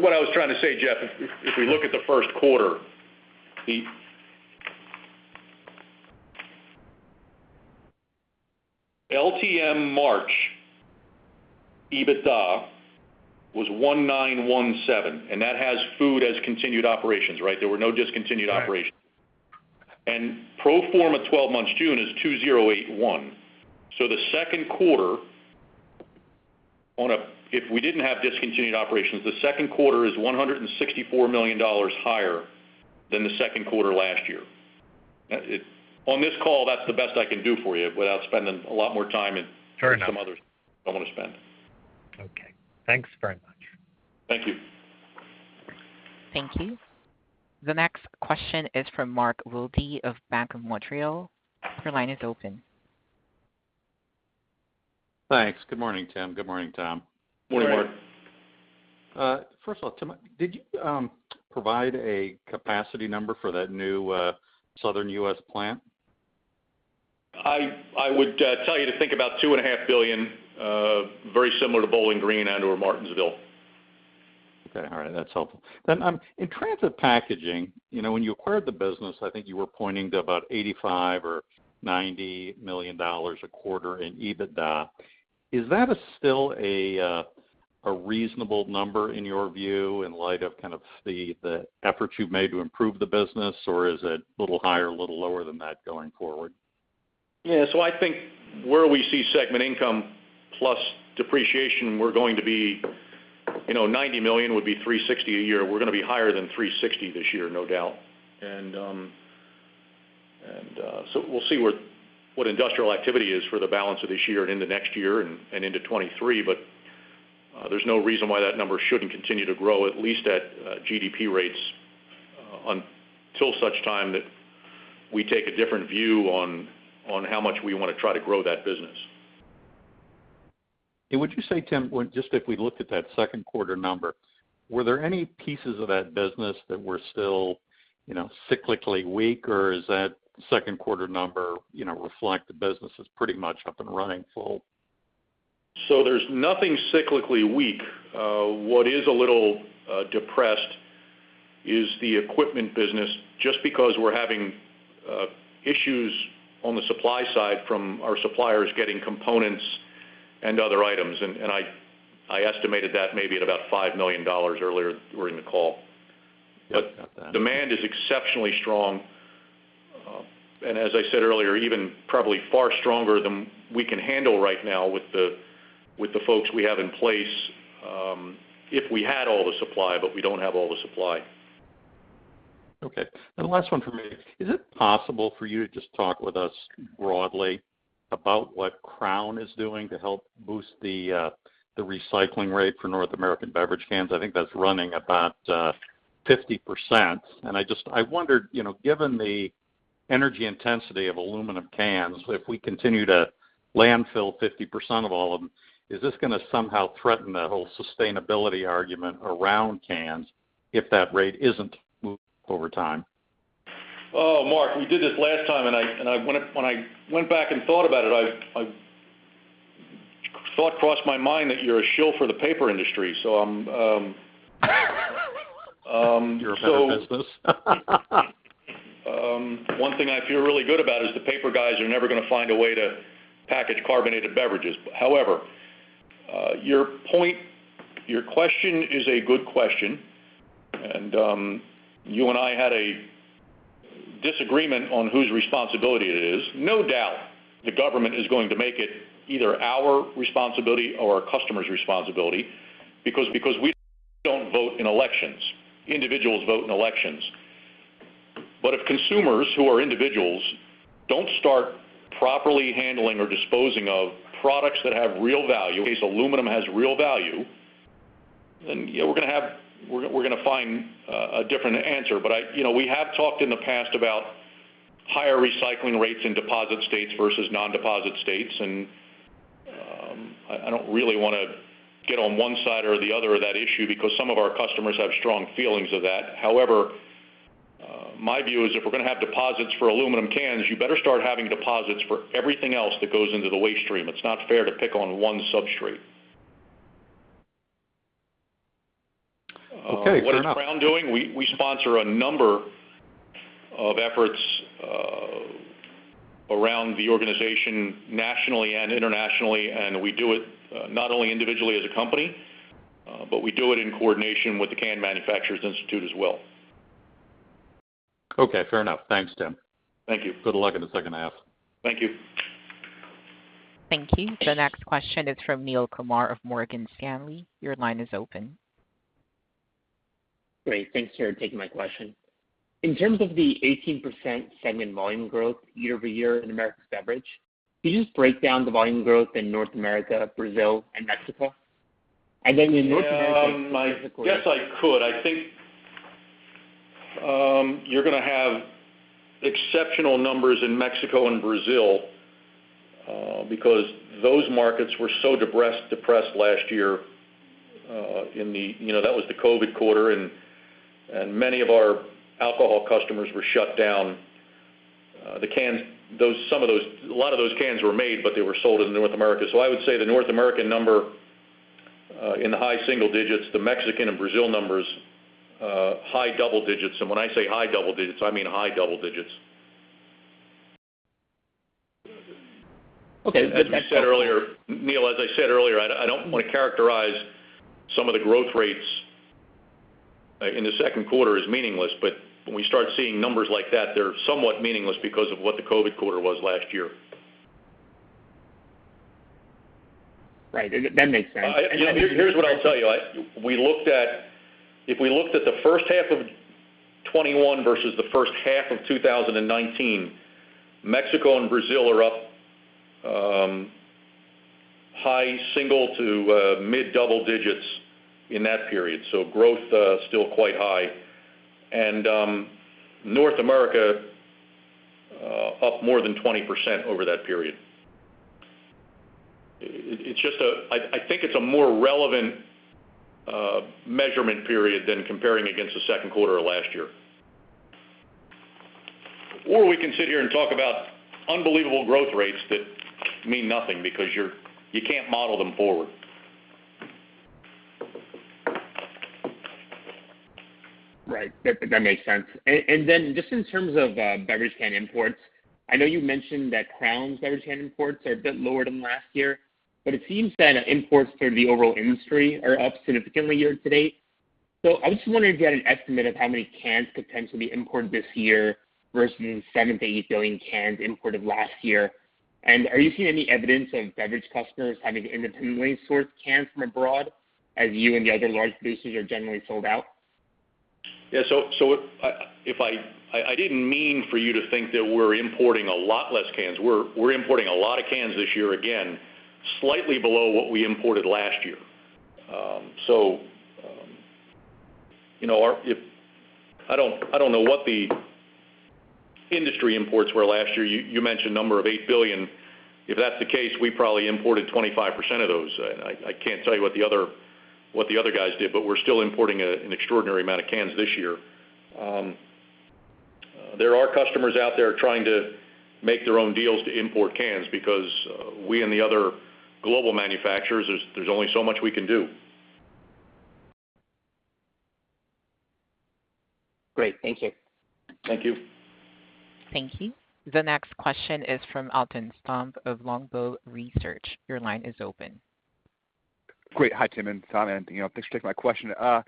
What I was trying to say, Jeff, if we look at the first quarter, the LTM March EBITDA was $1,917, and that has food as continued operations, right? There were no discontinued operations. Right. Pro forma 12 months June is $2,081 billion. The second quarter, if we didn't have discontinued operations, the second quarter is $164 million higher than the second quarter last year. On this call, that's the best I can do for you without spending a lot more time. Fair enough. don't want to spend. Okay. Thanks very much. Thank you. Thank you. The next question is from Mark Wilde of Bank of Montreal. Your line is open. Thanks. Good morning, Tim. Good morning, Tom. Good morning. Good morning. First of all, Tim, did you provide a capacity number for that new Southern U.S. plant? I would tell you to think about 2.5 billion, very similar to Bowling Green and/or Martinsville. Okay. All right. That's helpful. In Transit Packaging, when you acquired the business, I think you were pointing to about $85 or $90 million a quarter in EBITDA. Is that still a reasonable number in your view in light of kind of the efforts you've made to improve the business, or is it a little higher, a little lower than that going forward? Yeah. I think where we see segment income plus depreciation, $90 million would be $360 million a year. We're going to be higher than $360 million this year, no doubt. We'll see what industrial activity is for the balance of this year and into next year and into 2023, but there's no reason why that number shouldn't continue to grow, at least at GDP rates, until such time that we take a different view on how much we want to try to grow that business. Would you say, Tim, just if we looked at that second quarter number, were there any pieces of that business that were still cyclically weak, or is that second quarter number reflect the business is pretty much up and running full? There's nothing cyclically weak. What is a little depressed is the equipment business, just because we're having issues on the supply side from our suppliers getting components and other items. I estimated that maybe at about $5 million earlier during the call. Yep. Got that. Demand is exceptionally strong. As I said earlier, even probably far stronger than we can handle right now with the folks we have in place, if we had all the supply. We don't have all the supply. Okay. The last one from me. Is it possible for you to just talk with us broadly about what Crown is doing to help boost the recycling rate for North American beverage cans? I think that's running about 50%. I wondered, given the energy intensity of aluminum cans, if we continue to landfill 50% of all of them, is this going to somehow threaten that whole sustainability argument around cans if that rate isn't moved over time? Oh, Mark, we did this last time, and when I went back and thought about it, a thought crossed my mind that you're a shill for the paper industry. I'm You're a better business. One thing I feel really good about is the paper guys are never going to find a way to package carbonated beverages. However, your question is a good question, and you and I had a disagreement on whose responsibility it is. No doubt the government is going to make it either our responsibility or our customer's responsibility, because we don't vote in elections. Individuals vote in elections. If consumers, who are individuals, don't start properly handling or disposing of products that have real value, in case aluminum has real value, then we're going to find a different answer. We have talked in the past about higher recycling rates in deposit states versus non-deposit states, and I don't really want to get on one side or the other of that issue because some of our customers have strong feelings of that. My view is if we're going to have deposits for aluminum cans, you better start having deposits for everything else that goes into the waste stream. It's not fair to pick on one substrate. Okay, fair enough. What is Crown doing? We sponsor a number of efforts around the organization nationally and internationally. We do it not only individually as a company, but we do it in coordination with the Can Manufacturers Institute as well. Okay, fair enough. Thanks, Tim. Thank you. Good luck in the second half. Thank you. Thank you. The next question is from Neel Kumar of Morgan Stanley. Your line is open. Great. Thanks for taking my question. In terms of the 18% segment volume growth year-over-year in Americas Beverage, can you just break down the volume growth in North America, Brazil, and Mexico? Yes, I could. I think you're going to have exceptional numbers in Mexico and Brazil because those markets were so depressed last year. That was the COVID quarter. Many of our alcohol customers were shut down. A lot of those cans were made. They were sold in North America. I would say the North American number in the high single digits, the Mexican and Brazil numbers high double digits. When I say high double digits, I mean high double digits. Okay. As I said earlier, Neel, I don't want to characterize some of the growth rates in the second quarter as meaningless, but when we start seeing numbers like that, they're somewhat meaningless because of what the COVID quarter was last year. Right. That makes sense. Here's what I'll tell you. If we looked at the first half of 2021 versus the first half of 2019, Mexico and Brazil are up high single to mid double digits in that period, so growth still quite high. North America up more than 20% over that period. I think it's a more relevant measurement period than comparing against the second quarter of last year. We can sit here and talk about unbelievable growth rates that mean nothing because you can't model them forward. Right. That makes sense. Then just in terms of beverage can imports, I know you mentioned that Crown's beverage can imports are a bit lower than last year, but it seems that imports for the overall industry are up significantly year to date. I just wanted to get an estimate of how many cans could potentially be imported this year versus the 7 billion-8 billion cans imported last year. Are you seeing any evidence of beverage customers having to independently source cans from abroad as you and the other large producers are generally sold out? Yeah, I didn't mean for you to think that we're importing a lot less cans. We're importing a lot of cans this year, again, slightly below what we imported last year. I don't know what the industry imports were last year. You mentioned a number of 8 billion cans. If that's the case, we probably imported 25% of those. I can't tell you what the other guys did, but we're still importing an extraordinary amount of cans this year. There are customers out there trying to make their own deals to import cans because we and the other global manufacturers, there's only so much we can do. Great. Thank you. Thank you. Thank you. The next question is from Alton Stump of Longbow Research. Your line is open. Great. Hi, Tim and Tom. Thanks for taking my question. Of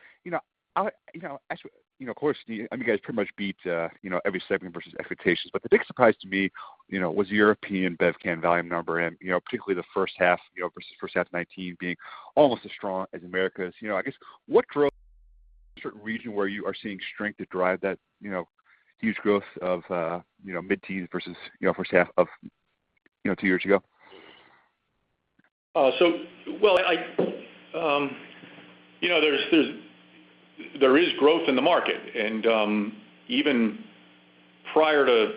course, you guys pretty much beat every segment versus expectations. The big surprise to me was the European Bevcan volume number, and particularly the first half of 2019 being almost as strong as Americas. I guess, what drove? Certain region where you are seeing strength to drive that huge growth of mid-teen versus first half of two years ago? There is growth in the market, and even prior to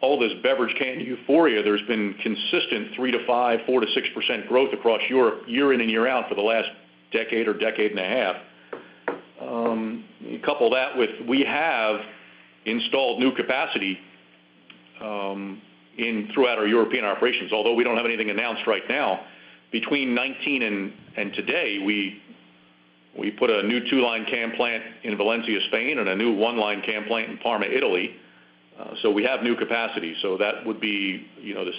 all this beverage can euphoria, there's been consistent 3%-5%, 4%-6% growth across Europe year in and year out for the last decade or decade and a half. Couple that with, we have installed new capacity throughout our European operations. Although we don't have anything announced right now, between 2019 and today, we put a new two-line can plant in Valencia, Spain, and a new one-line can plant in Parma, Italy. We have new capacity. That would be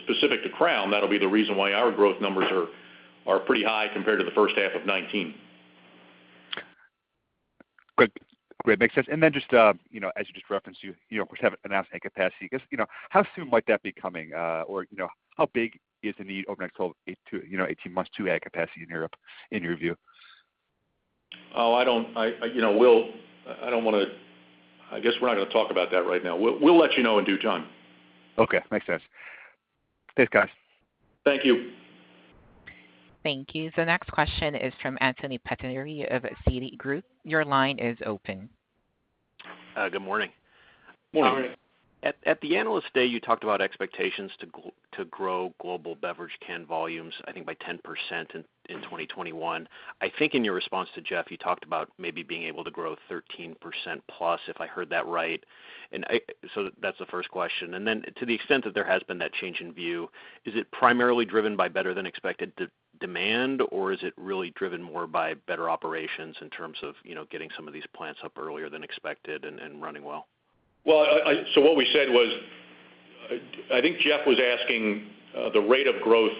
specific to Crown. That'll be the reason why our growth numbers are pretty high compared to the first half of 2019. Great. Makes sense. As you just referenced, you of course haven't announced any capacity. Just how soon might that be coming? How big is the need over the next 12 months-18 months to add capacity in Europe in your view? I guess we're not going to talk about that right now. We'll let you know in due time. Okay. Makes sense. Thanks, guys. Thank you. Thank you. Next question is from Anthony Pettinari of Citigroup. Your line is open. Good morning. Morning. At the Analyst Day, you talked about expectations to grow global beverage can volumes, I think by 10% in 2021. I think in your response to Jeff Zekauskas, you talked about maybe being able to grow 13%+, if I heard that right. That's the first question. To the extent that there has been that change in view, is it primarily driven by better than expected demand, or is it really driven more by better operations in terms of getting some of these plants up earlier than expected and running well? What we said was, I think Jeff was asking the rate of growth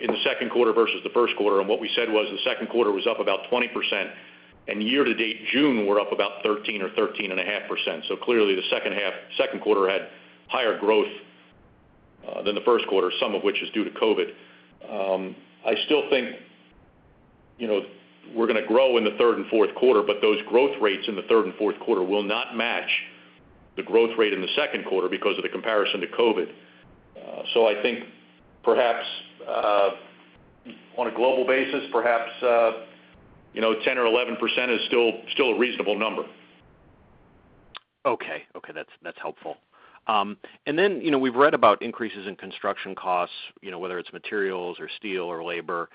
in the second quarter versus the first quarter, and what we said was the second quarter was up about 20%, and year-to-date June, we're up about 13% or 13.5%. Clearly the second quarter had higher growth than the first quarter, some of which is due to COVID. I still think we're going to grow in the third quarter and fourth quarter, but those growth rates in the third and fourth quarter will not match the growth rate in the second quarter because of the comparison to COVID. I think on a global basis, perhaps, 10% or 11% is still a reasonable number. Okay. That's helpful. We've read about increases in construction costs, whether it's materials or steel or labor.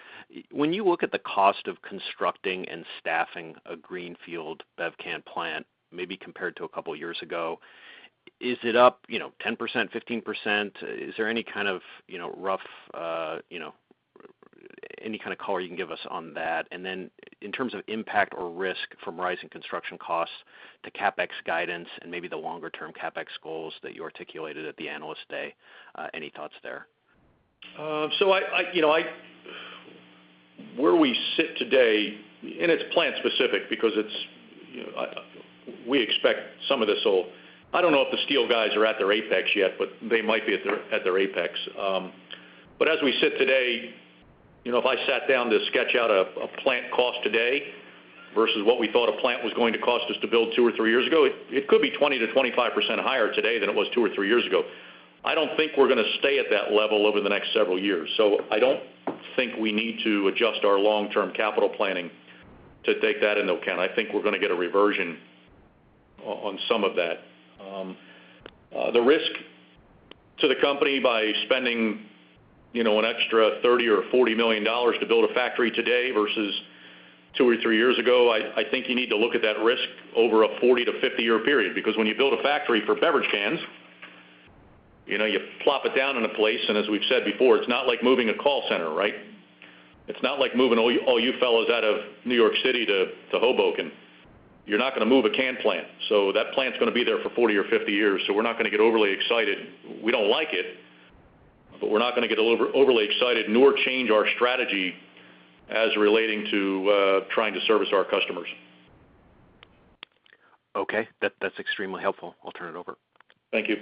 When you look at the cost of constructing and staffing a greenfield bev can plant, maybe compared to a couple of years ago, is it up 10%-15%? Is there any kind of color you can give us on that? In terms of impact or risk from rising construction costs to CapEx guidance and maybe the longer term CapEx goals that you articulated at the Analyst Day, any thoughts there? Where we sit today, it's plant specific because we expect some of this will I don't know if the steel guys are at their apex yet, they might be at their apex. As we sit today, if I sat down to sketch out a plant cost today versus what we thought a plant was going to cost us to build two or three years ago, it could be 20%-25% higher today than it was two or three years ago. I don't think we're going to stay at that level over the next several years. I don't think we need to adjust our long-term capital planning to take that into account. I think we're going to get a reversion on some of that. The risk to the company by spending an extra $30 or $40 million to build a factory today versus two or three years ago, I think you need to look at that risk over a 40-year to 50-year period. When you build a factory for beverage cans, you plop it down in a place, and as we've said before, it's not like moving a call center, right? It's not like moving all you fellows out of New York City to Hoboken. You're not going to move a can plant. That plant's going to be there for 40 years or 50 years, so we're not going to get overly excited. We don't like it, but we're not going to get overly excited nor change our strategy as relating to trying to service our customers. Okay. That's extremely helpful. I'll turn it over. Thank you.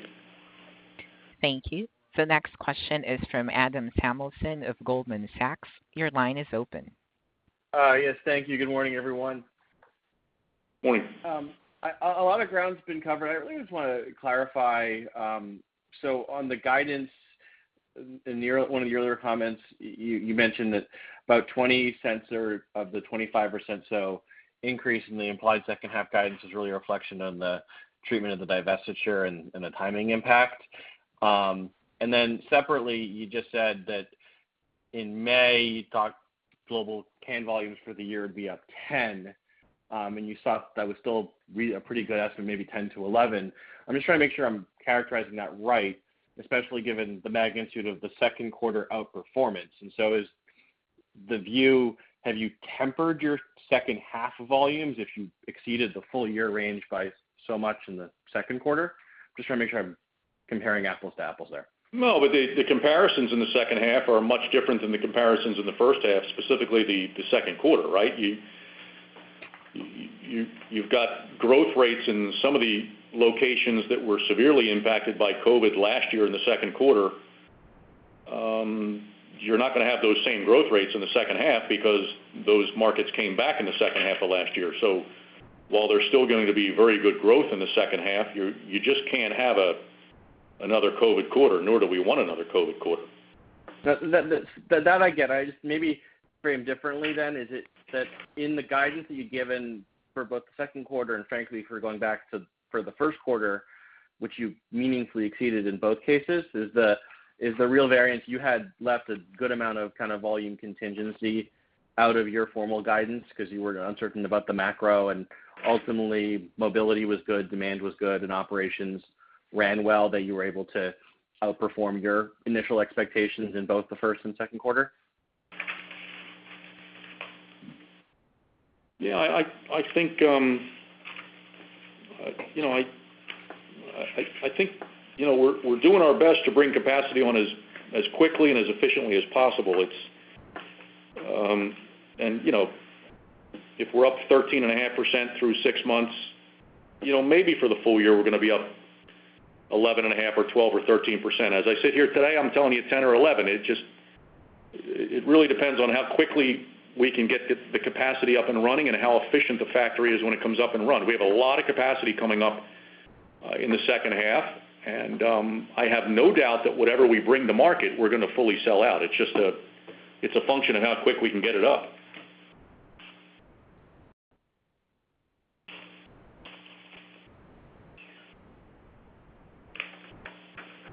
Thank you. Next question is from Adam Samuelson of Goldman Sachs. Your line is open. Yes. Thank you. Good morning, everyone. Morning. A lot of ground's been covered. I really just want to clarify. On the guidance in one of your other comments, you mentioned that about $0.20 or of the 25% or so increase in the implied second half guidance is really a reflection on the treatment of the divestiture and the timing impact. Separately, you just said that in May, you thought global can volumes for the year would be up 10%, and you thought that was still a pretty good estimate, maybe 10%-11%. I'm just trying to make sure I'm characterizing that right, especially given the magnitude of the second quarter outperformance. Is the view, have you tempered your second half volumes if you exceeded the full year range by so much in the second quarter? Just trying to make sure I'm comparing apples to apples there. No, the comparisons in the second half are much different than the comparisons in the first half, specifically the second quarter, right? You've got growth rates in some of the locations that were severely impacted by COVID last year in the second quarter. You're not going to have those same growth rates in the second half because those markets came back in the second half of last year. While there's still going to be very good growth in the second half, you just can't have another COVID quarter, nor do we want another COVID quarter. That I get. Maybe framed differently, then, is it that in the guidance that you've given for both the second quarter and frankly for going back for the first quarter, which you meaningfully exceeded in both cases, is the real variance you had left a good amount of volume contingency out of your formal guidance because you were uncertain about the macro and ultimately mobility was good, demand was good, and operations ran well, that you were able to outperform your initial expectations in both the first and second quarter? Yeah, I think we're doing our best to bring capacity on as quickly and as efficiently as possible. If we're up 13.5% through six months, maybe for the full year, we're going to be up 11.5% or 12% or 13%. As I sit here today, I'm telling you it's 10% or 11%. It really depends on how quickly we can get the capacity up and running and how efficient the factory is when it comes up and run. We have a lot of capacity coming up in the second half. I have no doubt that whatever we bring to market, we're going to fully sell out. It's a function of how quick we can get it up.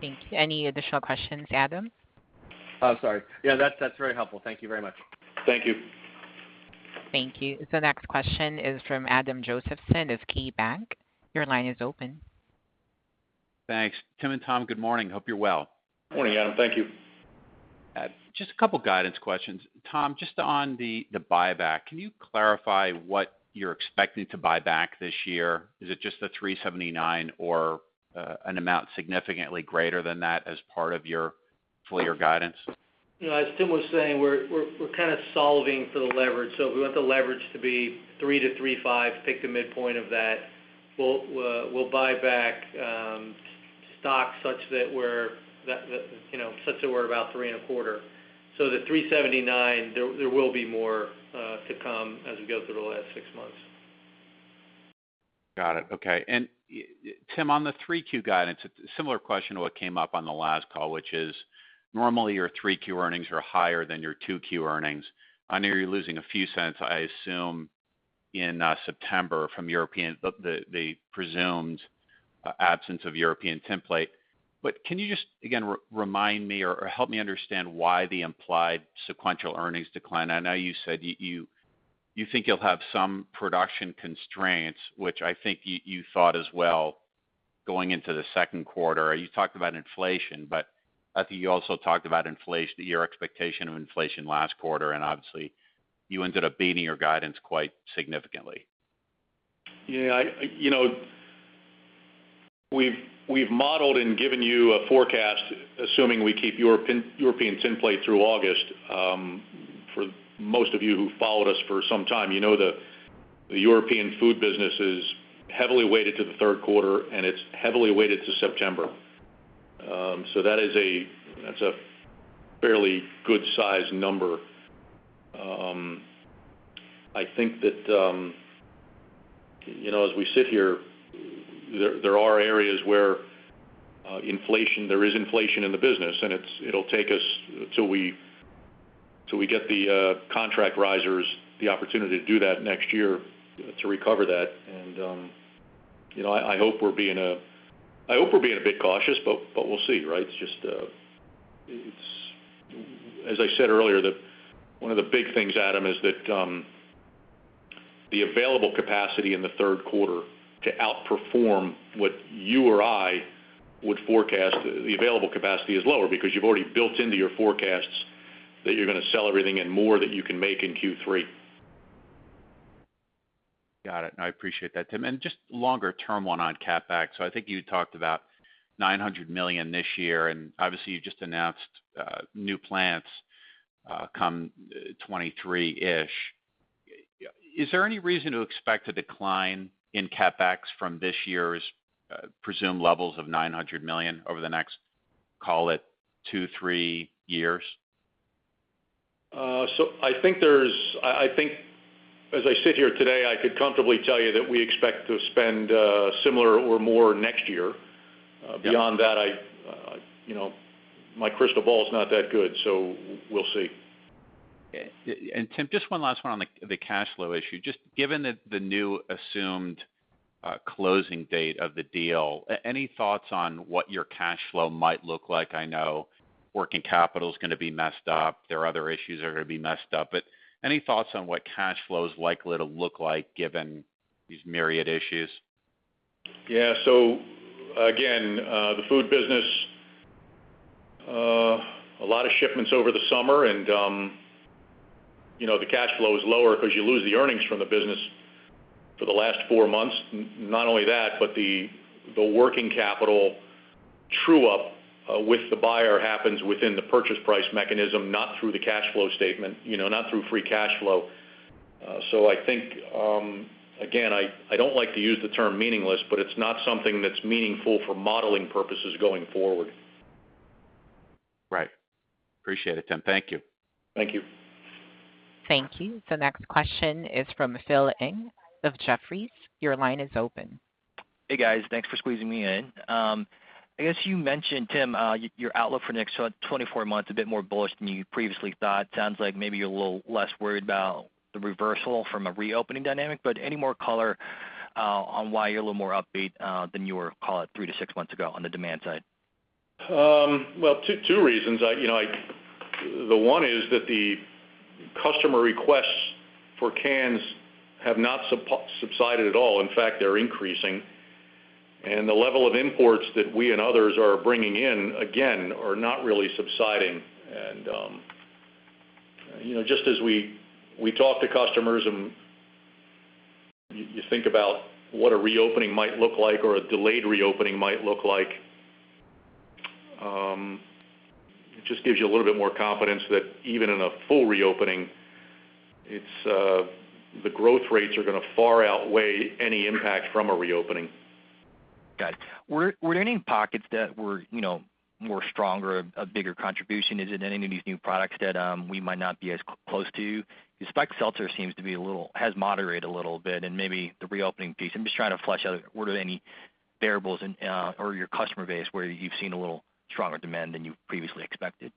Thank you. Any additional questions, Adam? Oh, sorry. Yeah, that's very helpful. Thank you very much. Thank you. Thank you. The next question is from Adam Josephson of KeyBanc. Your line is open. Thanks. Tim and Tom, good morning. Hope you're well. Morning, Adam. Thank you. Just a couple guidance questions. Tom, just on the buyback, can you clarify what you're expecting to buy back this year? Is it just the $379 or an amount significantly greater than that as part of your full year guidance? As Tim was saying, we're kind of solving for the leverage. If we want the leverage to be 3x-3.5x, pick the midpoint of that. We'll buy back stock such that we're about 3.25x. The $379, there will be more to come as we go through the last six months. Got it. Okay. Tim, on the 3Q guidance, similar question to what came up on the last call, which is normally your 3Q earnings are higher than your 2Q earnings. I know you're losing a few cents, I assume, in September from the presumed absence of European Tinplate. Can you just, again, remind me or help me understand why the implied sequential earnings decline? I know you said you think you'll have some production constraints, which I think you thought as well going into the second quarter. You talked about inflation, but I think you also talked about your expectation of inflation last quarter, and obviously you ended up beating your guidance quite significantly. We've modeled and given you a forecast, assuming we keep European Tinplate through August. For most of you who followed us for some time, you know the European food business is heavily weighted to the third quarter, and it's heavily weighted to September. That's a fairly good size number. I think that as we sit here, there are areas where there is inflation in the business, and it'll take us till we get the contract risers the opportunity to do that next year to recover that. I hope we're being a bit cautious, but we'll see. As I said earlier, one of the big things, Adam, is that the available capacity in the third quarter to outperform what you or I would forecast, the available capacity is lower because you've already built into your forecasts that you're going to sell everything and more that you can make in Q3. Got it. I appreciate that, Tim. Just longer term one on CapEx. I think you talked about $900 million this year, and obviously you just announced new plants come 2023-ish. Is there any reason to expect a decline in CapEx from this year's presumed levels of $900 million over the next, call it, two, three years? I think as I sit here today, I could comfortably tell you that we expect to spend similar or more next year. Beyond that, my crystal ball is not that good, so we'll see. Tim, just one last one on the cash flow issue. Just given the new assumed closing date of the deal, any thoughts on what your cash flow might look like? I know working capital's going to be messed up. There are other issues that are going to be messed up. Any thoughts on what cash flow's likely to look like given these myriad issues? Yeah. Again, the food business, a lot of shipments over the summer, and the cash flow is lower because you lose the earnings from the business for the last four months. Not only that, but the working capital true-up with the buyer happens within the purchase price mechanism, not through the cash flow statement, not through free cash flow. I think, again, I don't like to use the term meaningless, but it's not something that's meaningful for modeling purposes going forward. Right. Appreciate it, Tim. Thank you. Thank you. Thank you. The next question is from Philip Ng of Jefferies. Your line is open. Hey, guys. Thanks for squeezing me in. I guess you mentioned, Tim, your outlook for the next 24 months, a bit more bullish than you previously thought. Sounds like maybe you're a little less worried about the reversal from a reopening dynamic, but any more color on why you're a little more upbeat than you were, call it, three to six months ago on the demand side? Well, two reasons. The one is that the customer requests for cans have not subsided at all. In fact, they're increasing. The level of imports that we and others are bringing in, again, are not really subsiding. Just as we talk to customers, and you think about what a reopening might look like or a delayed reopening might look like, it just gives you a little bit more confidence that even in a full reopening, the growth rates are going to far outweigh any impact from a reopening. Got it. Were there any pockets that were more stronger, a bigger contribution? Is it any of these new products that we might not be as close to? Spiked seltzer seems to have moderated a little bit and maybe the reopening piece. I'm just trying to flesh out were there any variables or your customer base where you've seen a little stronger demand than you previously expected?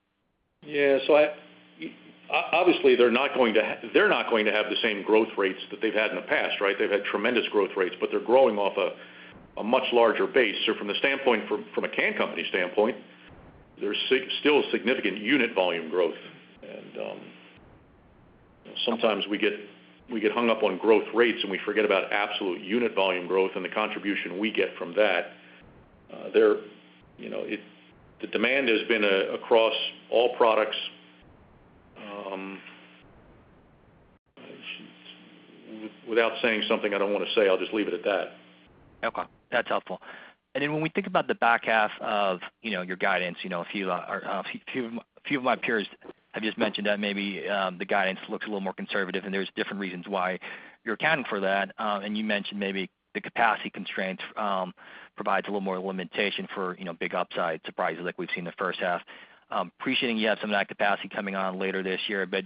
Yeah. Obviously they're not going to have the same growth rates that they've had in the past, right? They've had tremendous growth rates, but they're growing off a much larger base. From a can company standpoint, there's still significant unit volume growth. Sometimes we get hung up on growth rates, and we forget about absolute unit volume growth and the contribution we get from that. The demand has been across all products. Without saying something I don't want to say, I'll just leave it at that. Okay. That's helpful. When we think about the back half of your guidance, a few of my peers have just mentioned that maybe the guidance looks a little more conservative, and there's different reasons why you're accounting for that. You mentioned maybe the capacity constraint provides a little more limitation for big upside surprises like we've seen in the first half. Appreciating you have some of that capacity coming on later this year, but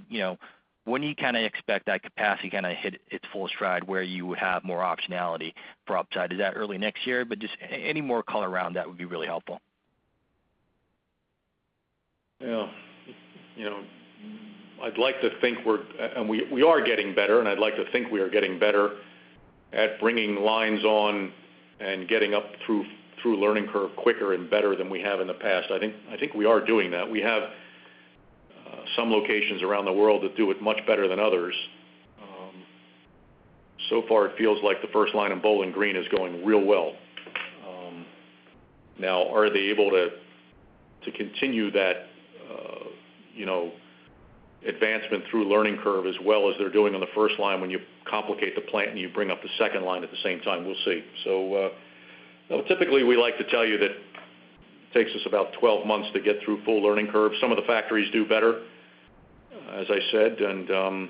when do you kind of expect that capacity kind of hit its full stride where you would have more optionality for upside? Is that early next year? Just any more color around that would be really helpful. I'd like to think we are getting better, and I'd like to think we are getting better at bringing lines on and getting up through learning curve quicker and better than we have in the past. I think we are doing that. We have some locations around the world that do it much better than others. Far, it feels like the first line in Bowling Green is going real well. Are they able to continue that advancement through learning curve as well as they're doing on the first line when you complicate the plant and you bring up the second line at the same time? We'll see. Typically, we like to tell you that it takes us about 12 months to get through full learning curve. Some of the factories do better, as I said. The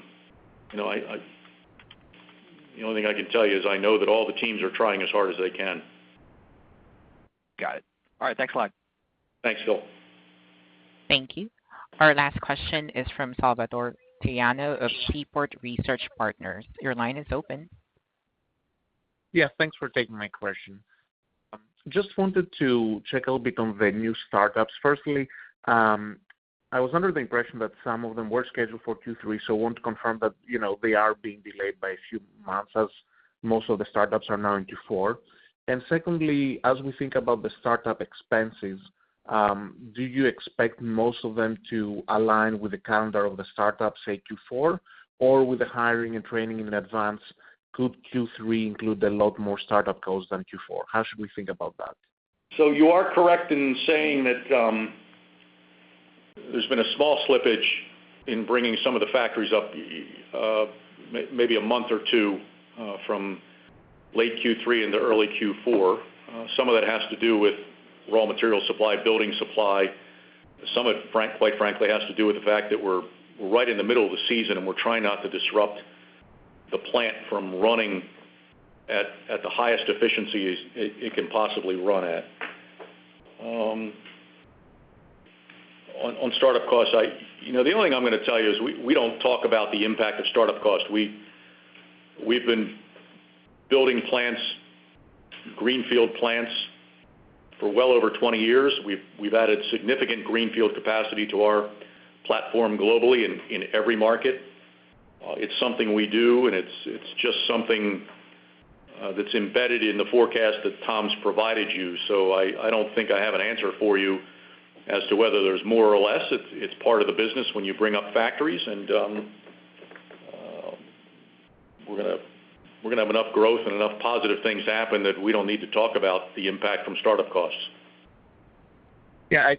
only thing I can tell you is I know that all the teams are trying as hard as they can. Got it. All right. Thanks a lot. Thanks, Phil. Thank you. Our last question is from Salvator Tiano of Seaport Global Holdings. Your line is open. Yeah, thanks for taking my question. Just wanted to check a little bit on the new startups. I was under the impression that some of them were scheduled for Q3, so wanted to confirm that they are being delayed by a few months as most of the startups are now in Q4. Secondly, as we think about the startup expenses, do you expect most of them to align with the calendar of the startup, say Q4, or with the hiring and training in advance, could Q3 include a lot more startup costs than Q4? How should we think about that? You are correct in saying that there's been a small slippage in bringing some of the factories up maybe a month or two from late Q3 into early Q4. Some of that has to do with raw material supply, building supply. Some of it, quite frankly, has to do with the fact that we're right in the middle of the season, and we're trying not to disrupt the plant from running at the highest efficiency it can possibly run at. On startup costs, the only thing I'm going to tell you is we don't talk about the impact of startup costs. We've been building plants, greenfield plants, for well over 20 years. We've added significant greenfield capacity to our platform globally in every market. It's something we do, and it's just something that's embedded in the forecast that Tom's provided you. I don't think I have an answer for you as to whether there's more or less. It's part of the business when you bring up factories, and we're going to have enough growth and enough positive things happen that we don't need to talk about the impact from startup costs. I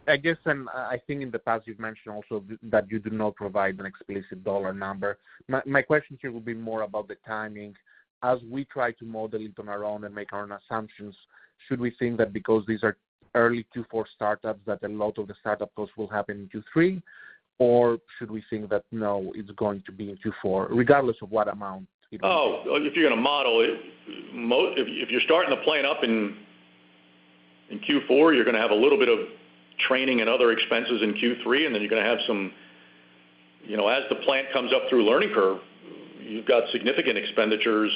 think in the past you've mentioned also that you do not provide an explicit dollar number. My question here will be more about the timing. As we try to model it on our own and make our own assumptions, should we think that because these are early Q4 startups, that a lot of the startup costs will happen in Q3? Should we think that no, it's going to be in Q4, regardless of what amount it will be? If you're going to model it, if you're starting the plant up in Q4, you're going to have a little bit of training and other expenses in Q3, and then as the plant comes up through learning curve, you've got significant expenditures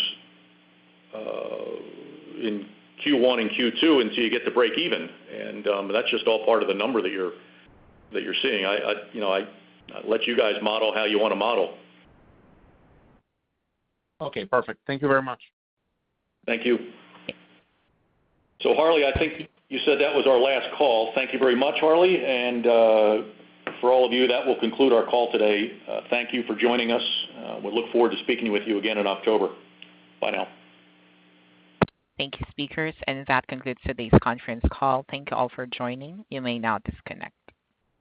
in Q1 and Q2 until you get to breakeven. That's just all part of the number that you're seeing. I let you guys model how you want to model. Okay, perfect. Thank you very much. Thank you. Harley, I think you said that was our last call. Thank you very much, Harley. For all of you, that will conclude our call today. Thank you for joining us. We look forward to speaking with you again in October. Bye now. Thank you, speakers. That concludes today's conference call. Thank you all for joining. You may now disconnect.